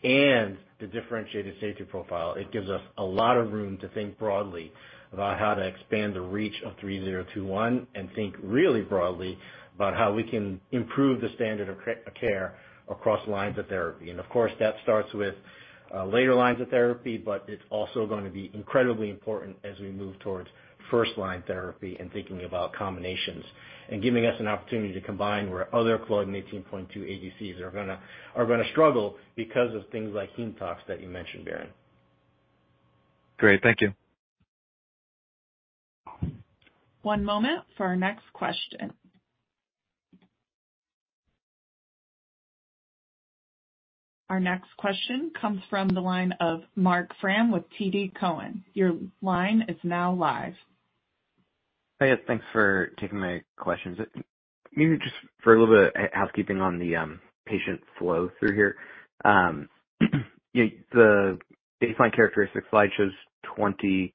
and the differentiated safety profile, it gives us a lot of room to think broadly about how to expand the reach of EO-3021 and think really broadly about how we can improve the standard of care across lines of therapy. Of course, that starts with later lines of therapy, but it's also gonna be incredibly important as we move towards first line therapy and thinking about combinations, and giving us an opportunity to combine where other claudin 18.2 ADCs are gonna struggle because of things like heme tox that you mentioned, Biren. Great. Thank you. One moment for our next question. Our next question comes from the line of Marc Frahm with TD Cowen. Your line is now live. Hey, thanks for taking my questions. Maybe just for a little bit of housekeeping on the patient flow through here. The baseline characteristics slide shows 20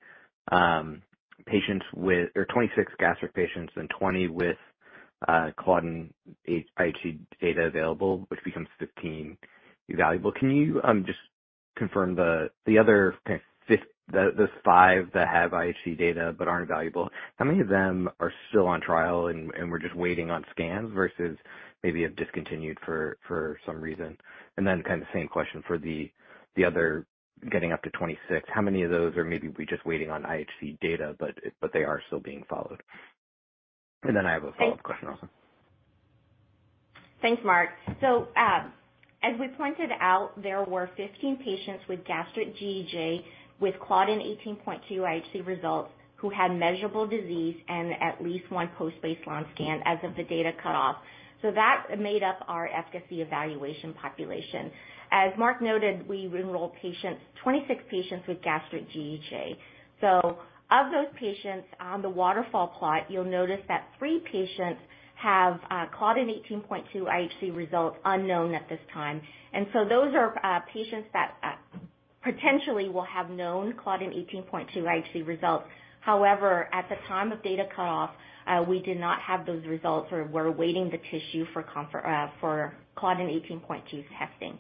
or 26 gastric patients and 20 with Claudin IHC data available, which becomes 15 evaluable. Can you just confirm the other kind of five, the those five that have IHC data but aren't evaluable, how many of them are still on trial and we're just waiting on scans versus maybe have discontinued for some reason? And then kind of same question for the other getting up to 26. How many of those are maybe we just waiting on IHC data, but they are still being followed? And then I have a follow-up question also. Thanks, Mark. So, as we pointed out, there were 15 patients with gastric GEJ, with Claudin 18.2 IHC results, who had measurable disease and at least one post-baseline scan as of the data cutoff. So that made up our efficacy evaluation population. As Mark noted, we enrolled patients, 26 patients with gastric GEJ. So of those patients on the waterfall plot, you'll notice that three patients have Claudin 18.2 IHC results unknown at this time. And so those are patients that potentially will have known Claudin 18.2 IHC results. However, at the time of data cutoff, we did not have those results, or we're waiting the tissue for Claudin 18.2 testing.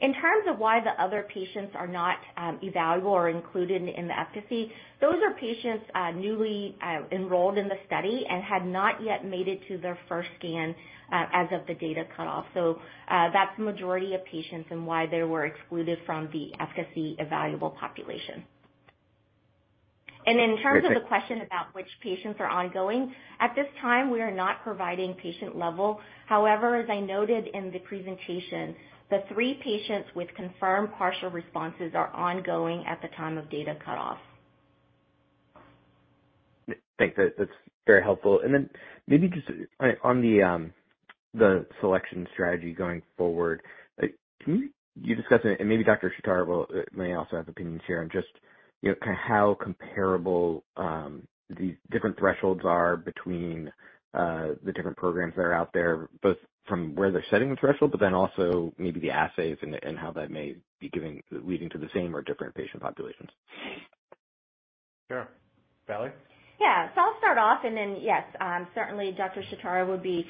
In terms of why the other patients are not evaluable or included in the efficacy, those are patients newly enrolled in the study and had not yet made it to their first scan as of the data cutoff. So that's the majority of patients and why they were excluded from the efficacy evaluable population. Great, thanks. In terms of the question about which patients are ongoing, at this time, we are not providing patient level. However, as I noted in the presentation, the three patients with confirmed partial responses are ongoing at the time of data cutoff. Thanks. That's very helpful. And then maybe just on the selection strategy going forward, like, can you discuss it? And maybe Dr. Shitara will may also have opinions here on just, you know, kind of how comparable the different thresholds are between the different programs that are out there, both from where they're setting the threshold, but then also maybe the assays and how that may be leading to the same or different patient populations? Sure. Valerie? Yeah. So I'll start off, and then yes, certainly Dr. Shitara would be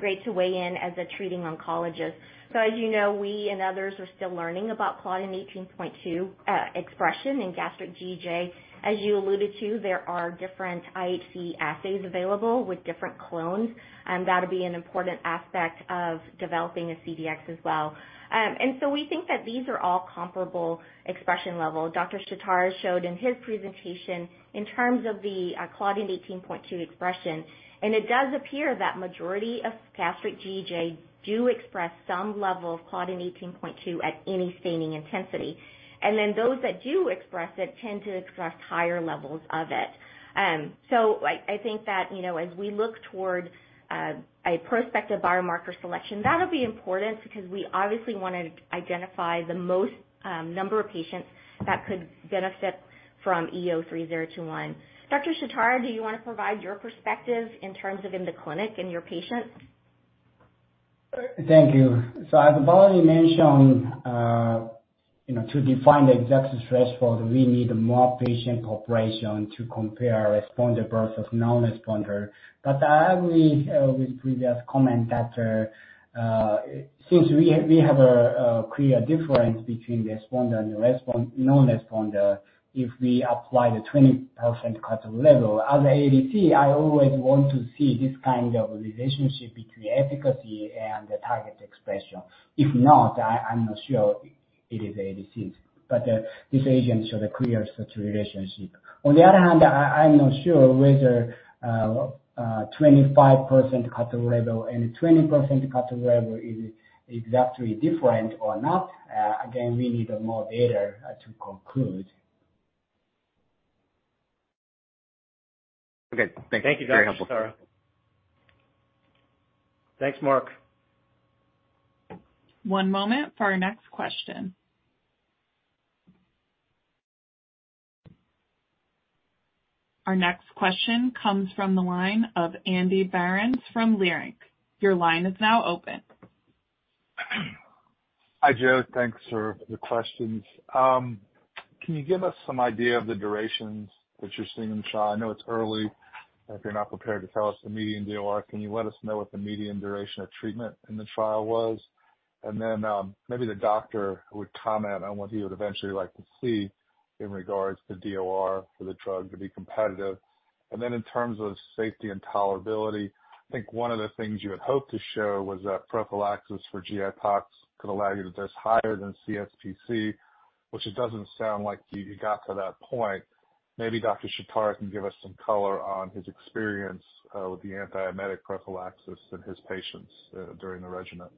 great to weigh in as a treating oncologist. So as you know, we and others are still learning about Claudin 18.2 expression in gastric GEJ. As you alluded to, there are different IHC assays available with different clones, and that'll be an important aspect of developing a CDX as well. And so we think that these are all comparable expression levels. Dr. Shitara showed in his presentation in terms of the Claudin 18.2 expression, and it does appear that majority of gastric GEJ do express some level of Claudin 18.2 at any staining intensity. And then those that do express it tend to express higher levels of it. So, I think that, you know, as we look toward a prospective biomarker selection, that'll be important because we obviously wanna identify the most number of patients that could benefit from EO-3021. Dr. Shitara, do you want to provide your perspective in terms of in the clinic and your patients? Thank you. So as Valerie mentioned, you know, to define the exact threshold, we need more patient cooperation to compare responder versus non-responder. But I agree with previous comment that since we have a clear difference between the responder and the non-responder, if we apply the 20% cutoff level. As ADC, I always want to see this kind of relationship between efficacy and the target expression. If not, I'm not sure it is ADC, but this agent should clear such a relationship. On the other hand, I'm not sure whether 25% cutoff level and 20% cutoff level is exactly different or not. Again, we need more data to conclude. Okay, thanks. Thank you, Dr. Shitara. Very helpful. Thanks, Mark. One moment for our next question. Our next question comes from the line of Andrew Berens from Leerink Partners. Your line is now open. Hi, Joe. Thanks for the questions. Can you give us some idea of the durations that you're seeing in the trial? I know it's early. If you're not prepared to tell us the median DOR, can you let us know what the median duration of treatment in the trial was? And then, maybe the doctor would comment on what he would eventually like to see in regards to DOR for the drug to be competitive. And then in terms of safety and tolerability, I think one of the things you had hoped to show was that prophylaxis for GI tox could allow you to dose higher than CSPC, which it doesn't sound like you got to that point. Maybe Dr. Shitara can give us some color on his experience with the antiemetic prophylaxis in his patients during the regimen.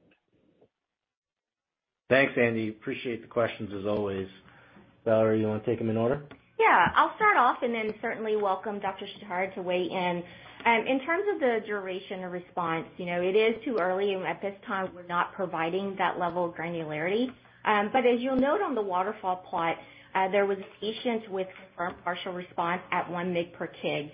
Thanks, Andy. Appreciate the questions as always. Valerie, you wanna take them in order? Yeah, I'll start off and then certainly welcome Dr. Shitara to weigh in. In terms of the duration of response, you know, it is too early, and at this time, we're not providing that level of granularity. But as you'll note on the waterfall plot, there was patients with confirmed partial response at 1 mg per kg.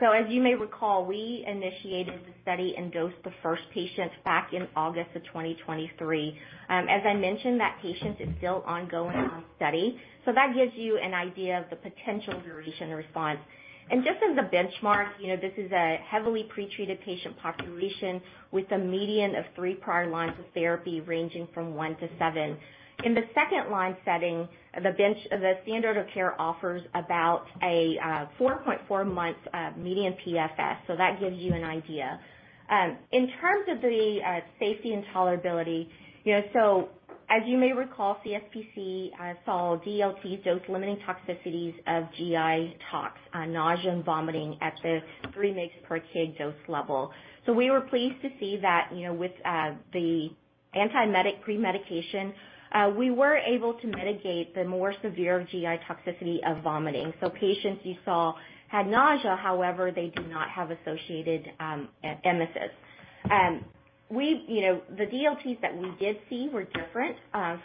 So as you may recall, we initiated the study and dosed the first patient back in August 2023. As I mentioned, that patient is still ongoing on study, so that gives you an idea of the potential duration response. And just as a benchmark, you know, this is a heavily pretreated patient population with a median of three prior lines of therapy, ranging from one to seven. In the second-line setting, the standard of care offers about 4.4 months median PFS, so that gives you an idea. In terms of the safety and tolerability, you know, so as you may recall, CSPC saw DLTs dose limiting toxicities of GI tox, nausea and vomiting at the 3 mg per kg dose level. So we were pleased to see that, you know, with the antiemetic premedication, we were able to mitigate the more severe GI toxicity of vomiting. So patients you saw had nausea, however, they do not have associated emesis. We, you know, the DLTs that we did see were different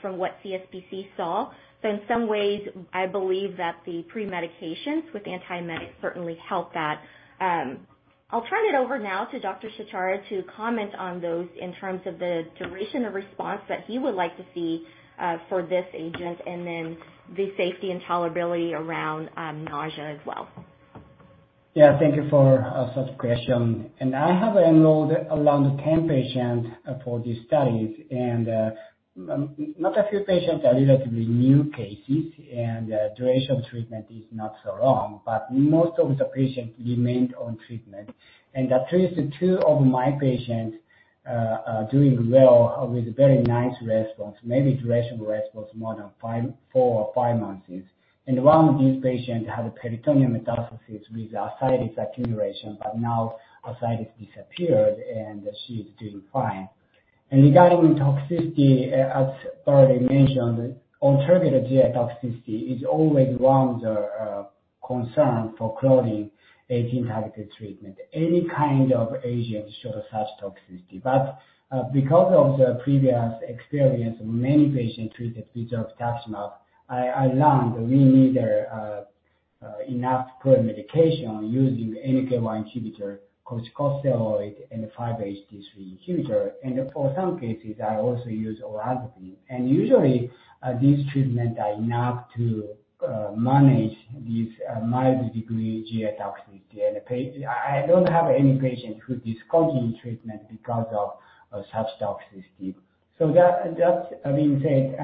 from what CSPC saw. So in some ways, I believe that the premedications with antiemetics certainly helped that. I'll turn it over now to Dr. Shitara to comment on those in terms of the duration of response that he would like to see, for this agent, and then the safety and tolerability around nausea as well. Yeah, thank you for such question. I have enrolled around 10 patients for these studies, and not a few patients are relatively new cases, and duration of treatment is not so long. But most of the patients remained on treatment, and at least two of my patients are doing well with very nice response, maybe duration response more than five, four or five months. One of these patients had a peritoneal metastasis with ascites accumulation, but now ascites disappeared, and she's doing fine. Regarding toxicity, as already mentioned, alternative GI toxicity is always one of the concern for claudin agent-targeted treatment, any kind of agent show such toxicity. But because of the previous experience, many patients treated with zolbetuximab, I learned we need enough premedication using NK-1 inhibitor, corticosteroid, and 5-HT3 inhibitor. For some cases, I also use olanzapine. Usually, these treatment are enough to manage these mild degree GI toxicity in the patients. I don't have any patient who discontinue treatment because of such toxicity. So that, that being said,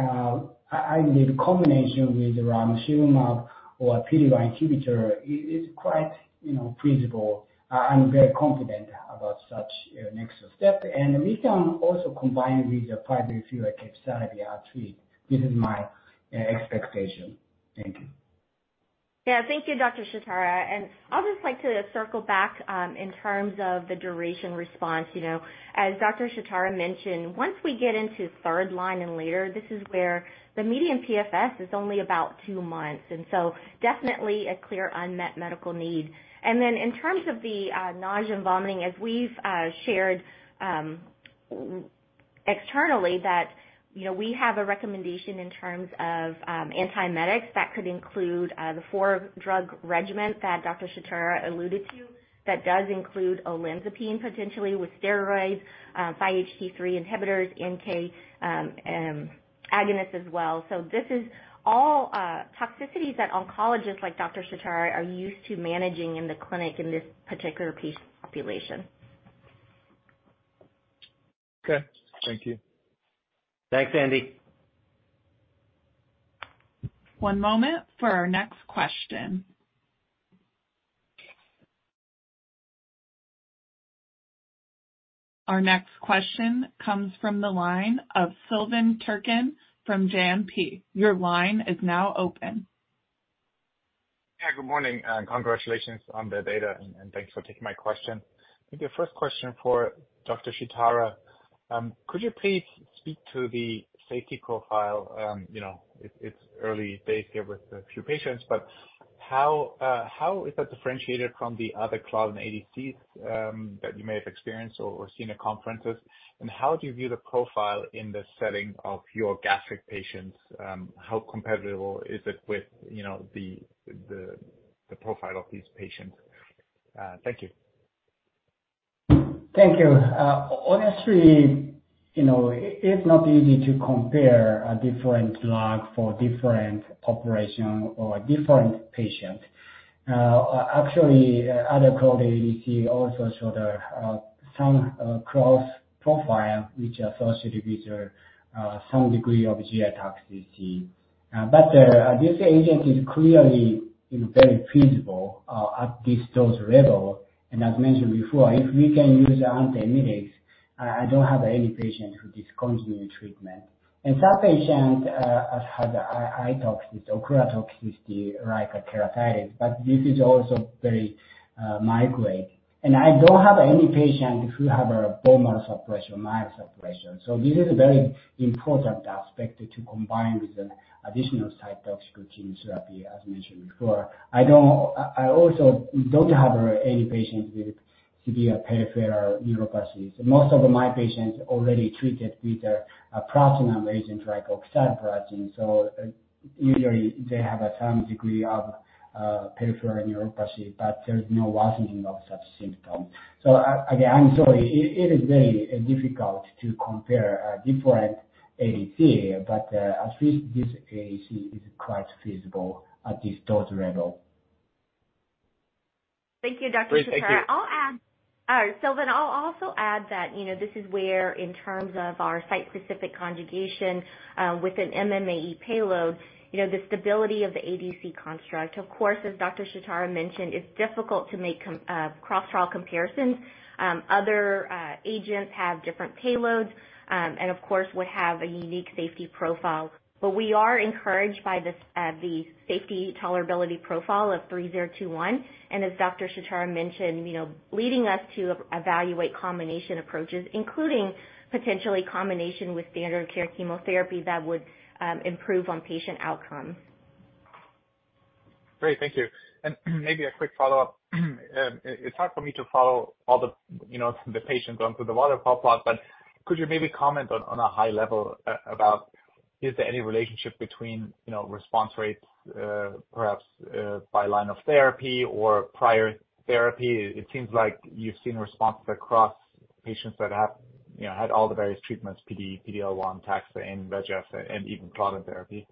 I believe combination with ramucirumab or PD-L1 inhibitor is quite, you know, feasible. I'm very confident about such next step. And we can also combine with the 5-fluorouracil capecitabine regimen. This is my expectation. Thank you. Yeah. Thank you, Dr. Shitara, and I'll just like to circle back, in terms of the duration response. You know, as Dr. Shitara mentioned, once we get into third line and later, this is where the median PFS is only about two months, and so definitely a clear unmet medical need. And then in terms of the, nausea and vomiting, as we've shared, externally, that, you know, we have a recommendation in terms of, antiemetics that could include, the four-drug regimen that Dr. Shitara alluded to. That does include olanzapine, potentially with steroids, 5-HT3 inhibitors, NK antagonists as well. So this is all, toxicities that oncologists like Dr. Shitara are used to managing in the clinic in this particular patient population. Okay, thank you. Thanks, Andy. One moment for our next question. Our next question comes from the line of Silvan Tuerkcan from JMP. Your line is now open. Yeah, good morning, and congratulations on the data, and thanks for taking my question. Maybe a first question for Dr. Shitara. Could you please speak to the safety profile? You know, it's early days here with a few patients, but how is that differentiated from the other claudin ADC that you may have experienced or seen at conferences? And how do you view the profile in the setting of your gastric patients? How comparable is it with, you know, the profile of these patients? Thank you. Thank you. Honestly, you know, it's not easy to compare a different drug for different population or different patient. Actually, other claudin ADCs also show the some toxicity profile, which associated with some degree of GI toxicity. But this agent is clearly, you know, very feasible at this dose level, and as mentioned before, if we can use antiemetics, I don't have any patient who discontinue treatment. And some patient have eye toxicity or ocular toxicity, like keratitis, but this is also very mild. And I don't have any patient who have a bone marrow suppression, mild suppression, so this is a very important aspect to combine with an additional cytotoxic chemotherapy, as mentioned before. I also don't have any patients with severe peripheral neuropathies. Most of my patients already treated with a platinum agent like oxaliplatin, so usually they have some degree of peripheral neuropathy, but there's no worsening of such symptoms. So again, I'm sorry, it is very difficult to compare different ADC, but at least this ADC is quite feasible at this dose level. Thank you, Dr. Shitara. Great. Thank you. I'll add, all right. So then I'll also add that, you know, this is where, in terms of our site-specific conjugation with an MMAE payload, you know, the stability of the ADC construct. Of course, as Dr. Shitara mentioned, it's difficult to make cross-trial comparisons. Other agents have different payloads, and of course would have a unique safety profile. But we are encouraged by this, the safety tolerability profile of EO-3021, and as Dr. Shitara mentioned, you know, leading us to evaluate combination approaches, including potentially combination with standard of care chemotherapy that would improve on patient outcomes. Great, thank you. Maybe a quick follow-up. It's hard for me to follow all the, you know, the patients onto the waterfall plot, but could you maybe comment on a high level about, is there any relationship between, you know, response rates, perhaps by line of therapy or prior therapy? It seems like you've seen responses across patients that have, you know, had all the various treatments, PD, PDL-1, taxane, bevacizumab, and even claudin therapy.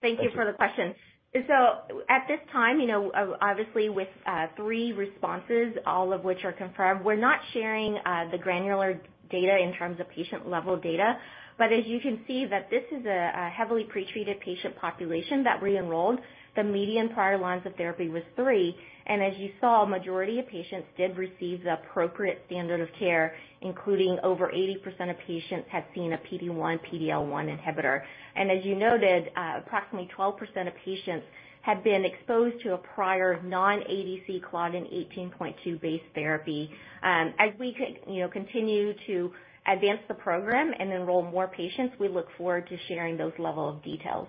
Thank you for the question. So at this time, you know, obviously with three responses, all of which are confirmed, we're not sharing the granular data in terms of patient-level data. But as you can see that this is a heavily pre-treated patient population that re-enrolled, the median prior lines of therapy was three. And as you saw, majority of patients did receive the appropriate standard of care, including over 80% of patients had seen a PD-1, PD-L1 inhibitor. And as you noted, approximately 12% of patients had been exposed to a prior non-ADC claudin 18.2-based therapy. As we, you know, continue to advance the program and enroll more patients, we look forward to sharing those level of details.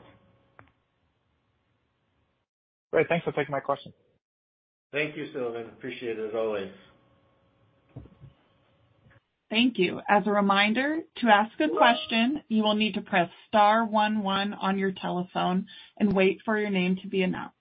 Great. Thanks for taking my question. Thank you, Silvan. Appreciate it as always. Thank you. As a reminder, to ask a question, you will need to press star one, one on your telephone and wait for your name to be announced.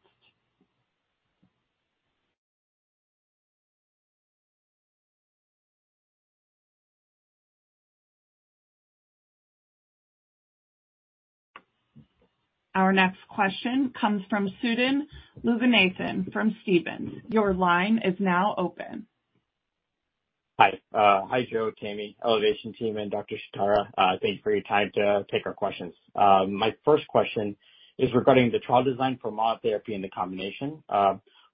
Our next question comes from Sudan Loganathan from Stephens. Your line is now open. Hi. Hi, Joe, Tammy, Elevation team, and Dr. Shitara. Thank you for your time to take our questions. My first question is regarding the trial design for monotherapy and the combination.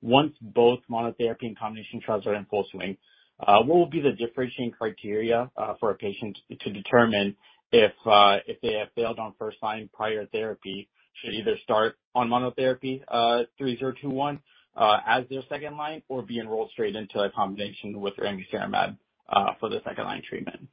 Once both monotherapy and combination trials are in full swing, what will be the differentiating criteria for a patient to determine if they have failed on first-line prior therapy, should either start on monotherapy EO-3021 as their second line, or be enrolled straight into a combination with ramucirumab for the second line treatment?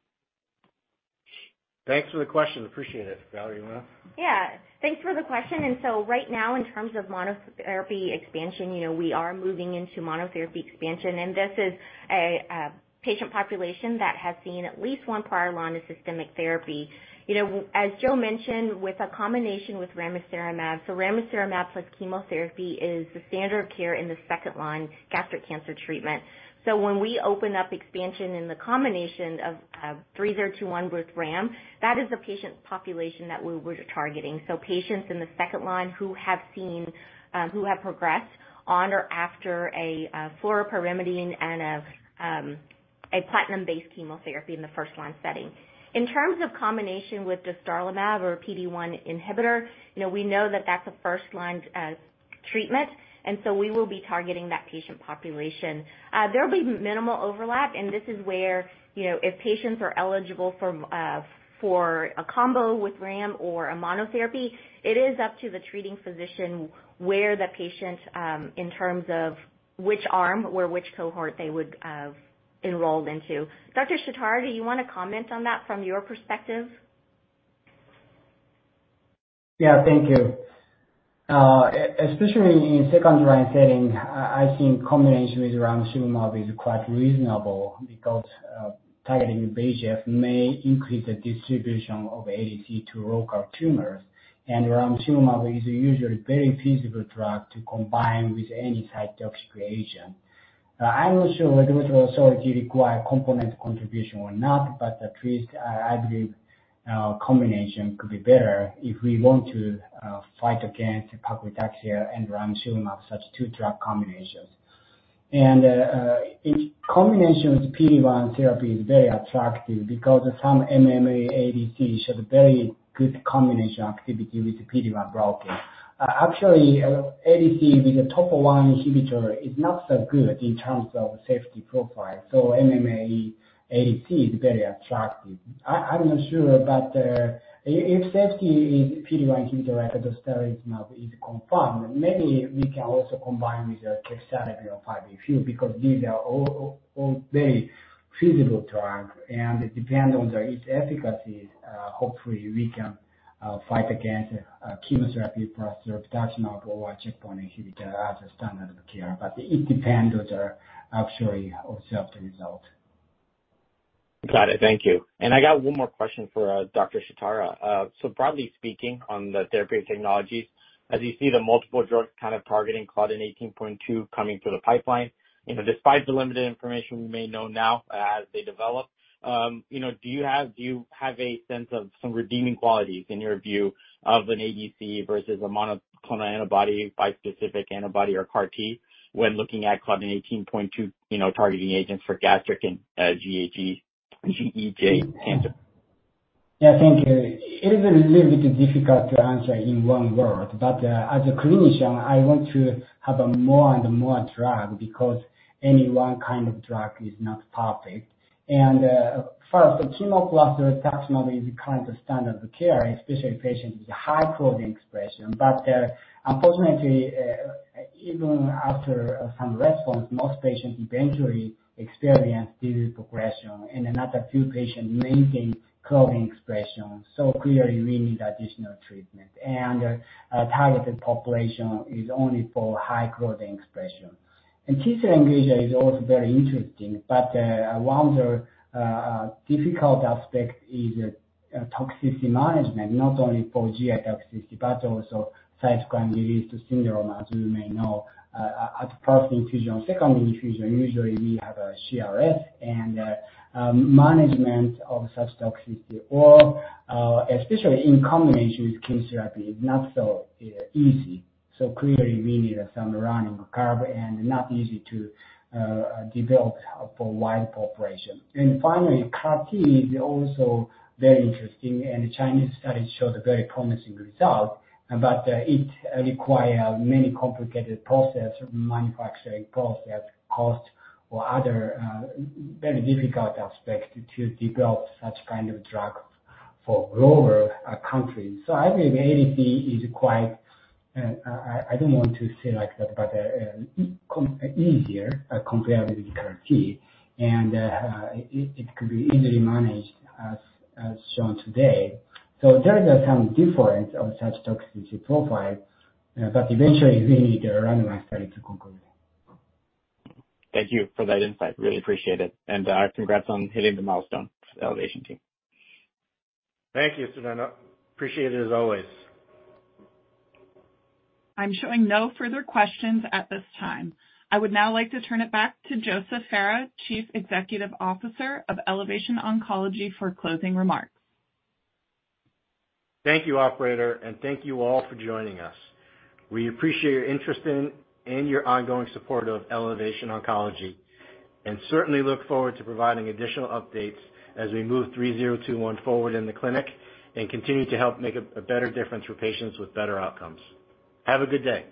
Thanks for the question. Appreciate it. Valerie, you wanna? Yeah, thanks for the question. And so right now, in terms of monotherapy expansion, you know, we are moving into monotherapy expansion, and this is a patient population that has seen at least one prior line of systemic therapy. You know, as Joe mentioned, with a combination with ramucirumab, so ramucirumab plus chemotherapy is the standard of care in the second-line gastric cancer treatment. So when we open up expansion in the combination of EO-3021 with ram, that is the patient population that we're targeting. So patients in the second line who have seen who have progressed on or after a fluoropyrimidine and a platinum-based chemotherapy in the first-line setting. In terms of combination with dostarlimab or PD-1 inhibitor, you know, we know that that's a first-line treatment, and so we will be targeting that patient population. There will be minimal overlap, and this is where, you know, if patients are eligible for a combo with ram or a monotherapy, it is up to the treating physician where the patient in terms of which arm or which cohort they would enrolled into. Dr. Shitara, do you want to comment on that from your perspective? Yeah. Thank you. Especially in second-line setting, I think combination with ramucirumab is quite reasonable because targeting bevacizumab may increase the distribution of ADC to local tumors, and ramucirumab is usually a very feasible drug to combine with any type of toxic agent. I'm not sure whether it will also require component contribution or not, but at least I believe combination could be better if we want to fight against paclitaxel and ramucirumab, such two-drug combinations. And its combination with PD-1 therapy is very attractive, because some MMA ADC show very good combination activity with the PD-1 blocker. Actually, ADC with the Topo I inhibitor is not so good in terms of safety profile, so MMA ADC is very attractive. I'm not sure, if safety in PD-1 inhibitor-related hysteria is confirmed, maybe we can also combine with, because these are all very feasible drug, and it depends on their, each efficacy. Hopefully we can fight against chemotherapy plus the or a checkpoint inhibitor as a standard of care. It depends on the actually of the result. Got it. Thank you. I got one more question for Dr. Shitara. So broadly speaking, on the therapy technologies, as you see the multiple drug kind of targeting claudin 18.2 coming through the pipeline, you know, despite the limited information we may know now, as they develop, you know, do you have, do you have a sense of some redeeming qualities in your view, of an ADC versus a monoclonal antibody, bispecific antibody, or CAR T, when looking at claudin 18.2, you know, targeting agents for gastric and GAG, GEJ cancer? Yeah, thank you. It is a little bit difficult to answer in one word, but, as a clinician, I want to have a more and more drug, because any one kind of drug is not perfect. First, chemo plus taxane is the current standard of care, especially patients with high claudin expression. But, unfortunately, even after some response, most patients eventually experience disease progression, and another few patients maintain claudin expression, so clearly we need additional treatment. Targeted population is only for high claudin expression. T-cell engagement is also very interesting, but, one of the, difficult aspect is, toxicity management, not only for GI toxicity, but also cytokine-related syndrome, as you may know. At first infusion, second infusion, usually we have a CRS, and management of such toxicity or especially in combination with chemotherapy, is not so easy. So clearly we need some learning curve and not easy to develop for wide population. And finally, CAR T is also very interesting, and Chinese studies showed a very promising result, but it require many complicated process, manufacturing process, cost or other very difficult aspect to develop such kind of drug for global countries. So I believe ADC is quite, I don't want to say like that, but easier compared with the CAR T, and it could be easily managed, as shown today. So there is some difference on such toxicity profile, but eventually we need a randomized study to conclude. Thank you for that insight. Really appreciate it, and, congrats on hitting the milestone, Elevation team. Thank you, Sudan Loganathan. Appreciate it as always. I'm showing no further questions at this time. I would now like to turn it back to Joseph Ferra, Chief Executive Officer of Elevation Oncology, for closing remarks. Thank you, operator, and thank you all for joining us. We appreciate your interest in, and your ongoing support of Elevation Oncology, and certainly look forward to providing additional updates as we move 3021 forward in the clinic, and continue to help make a better difference for patients with better outcomes. Have a good day!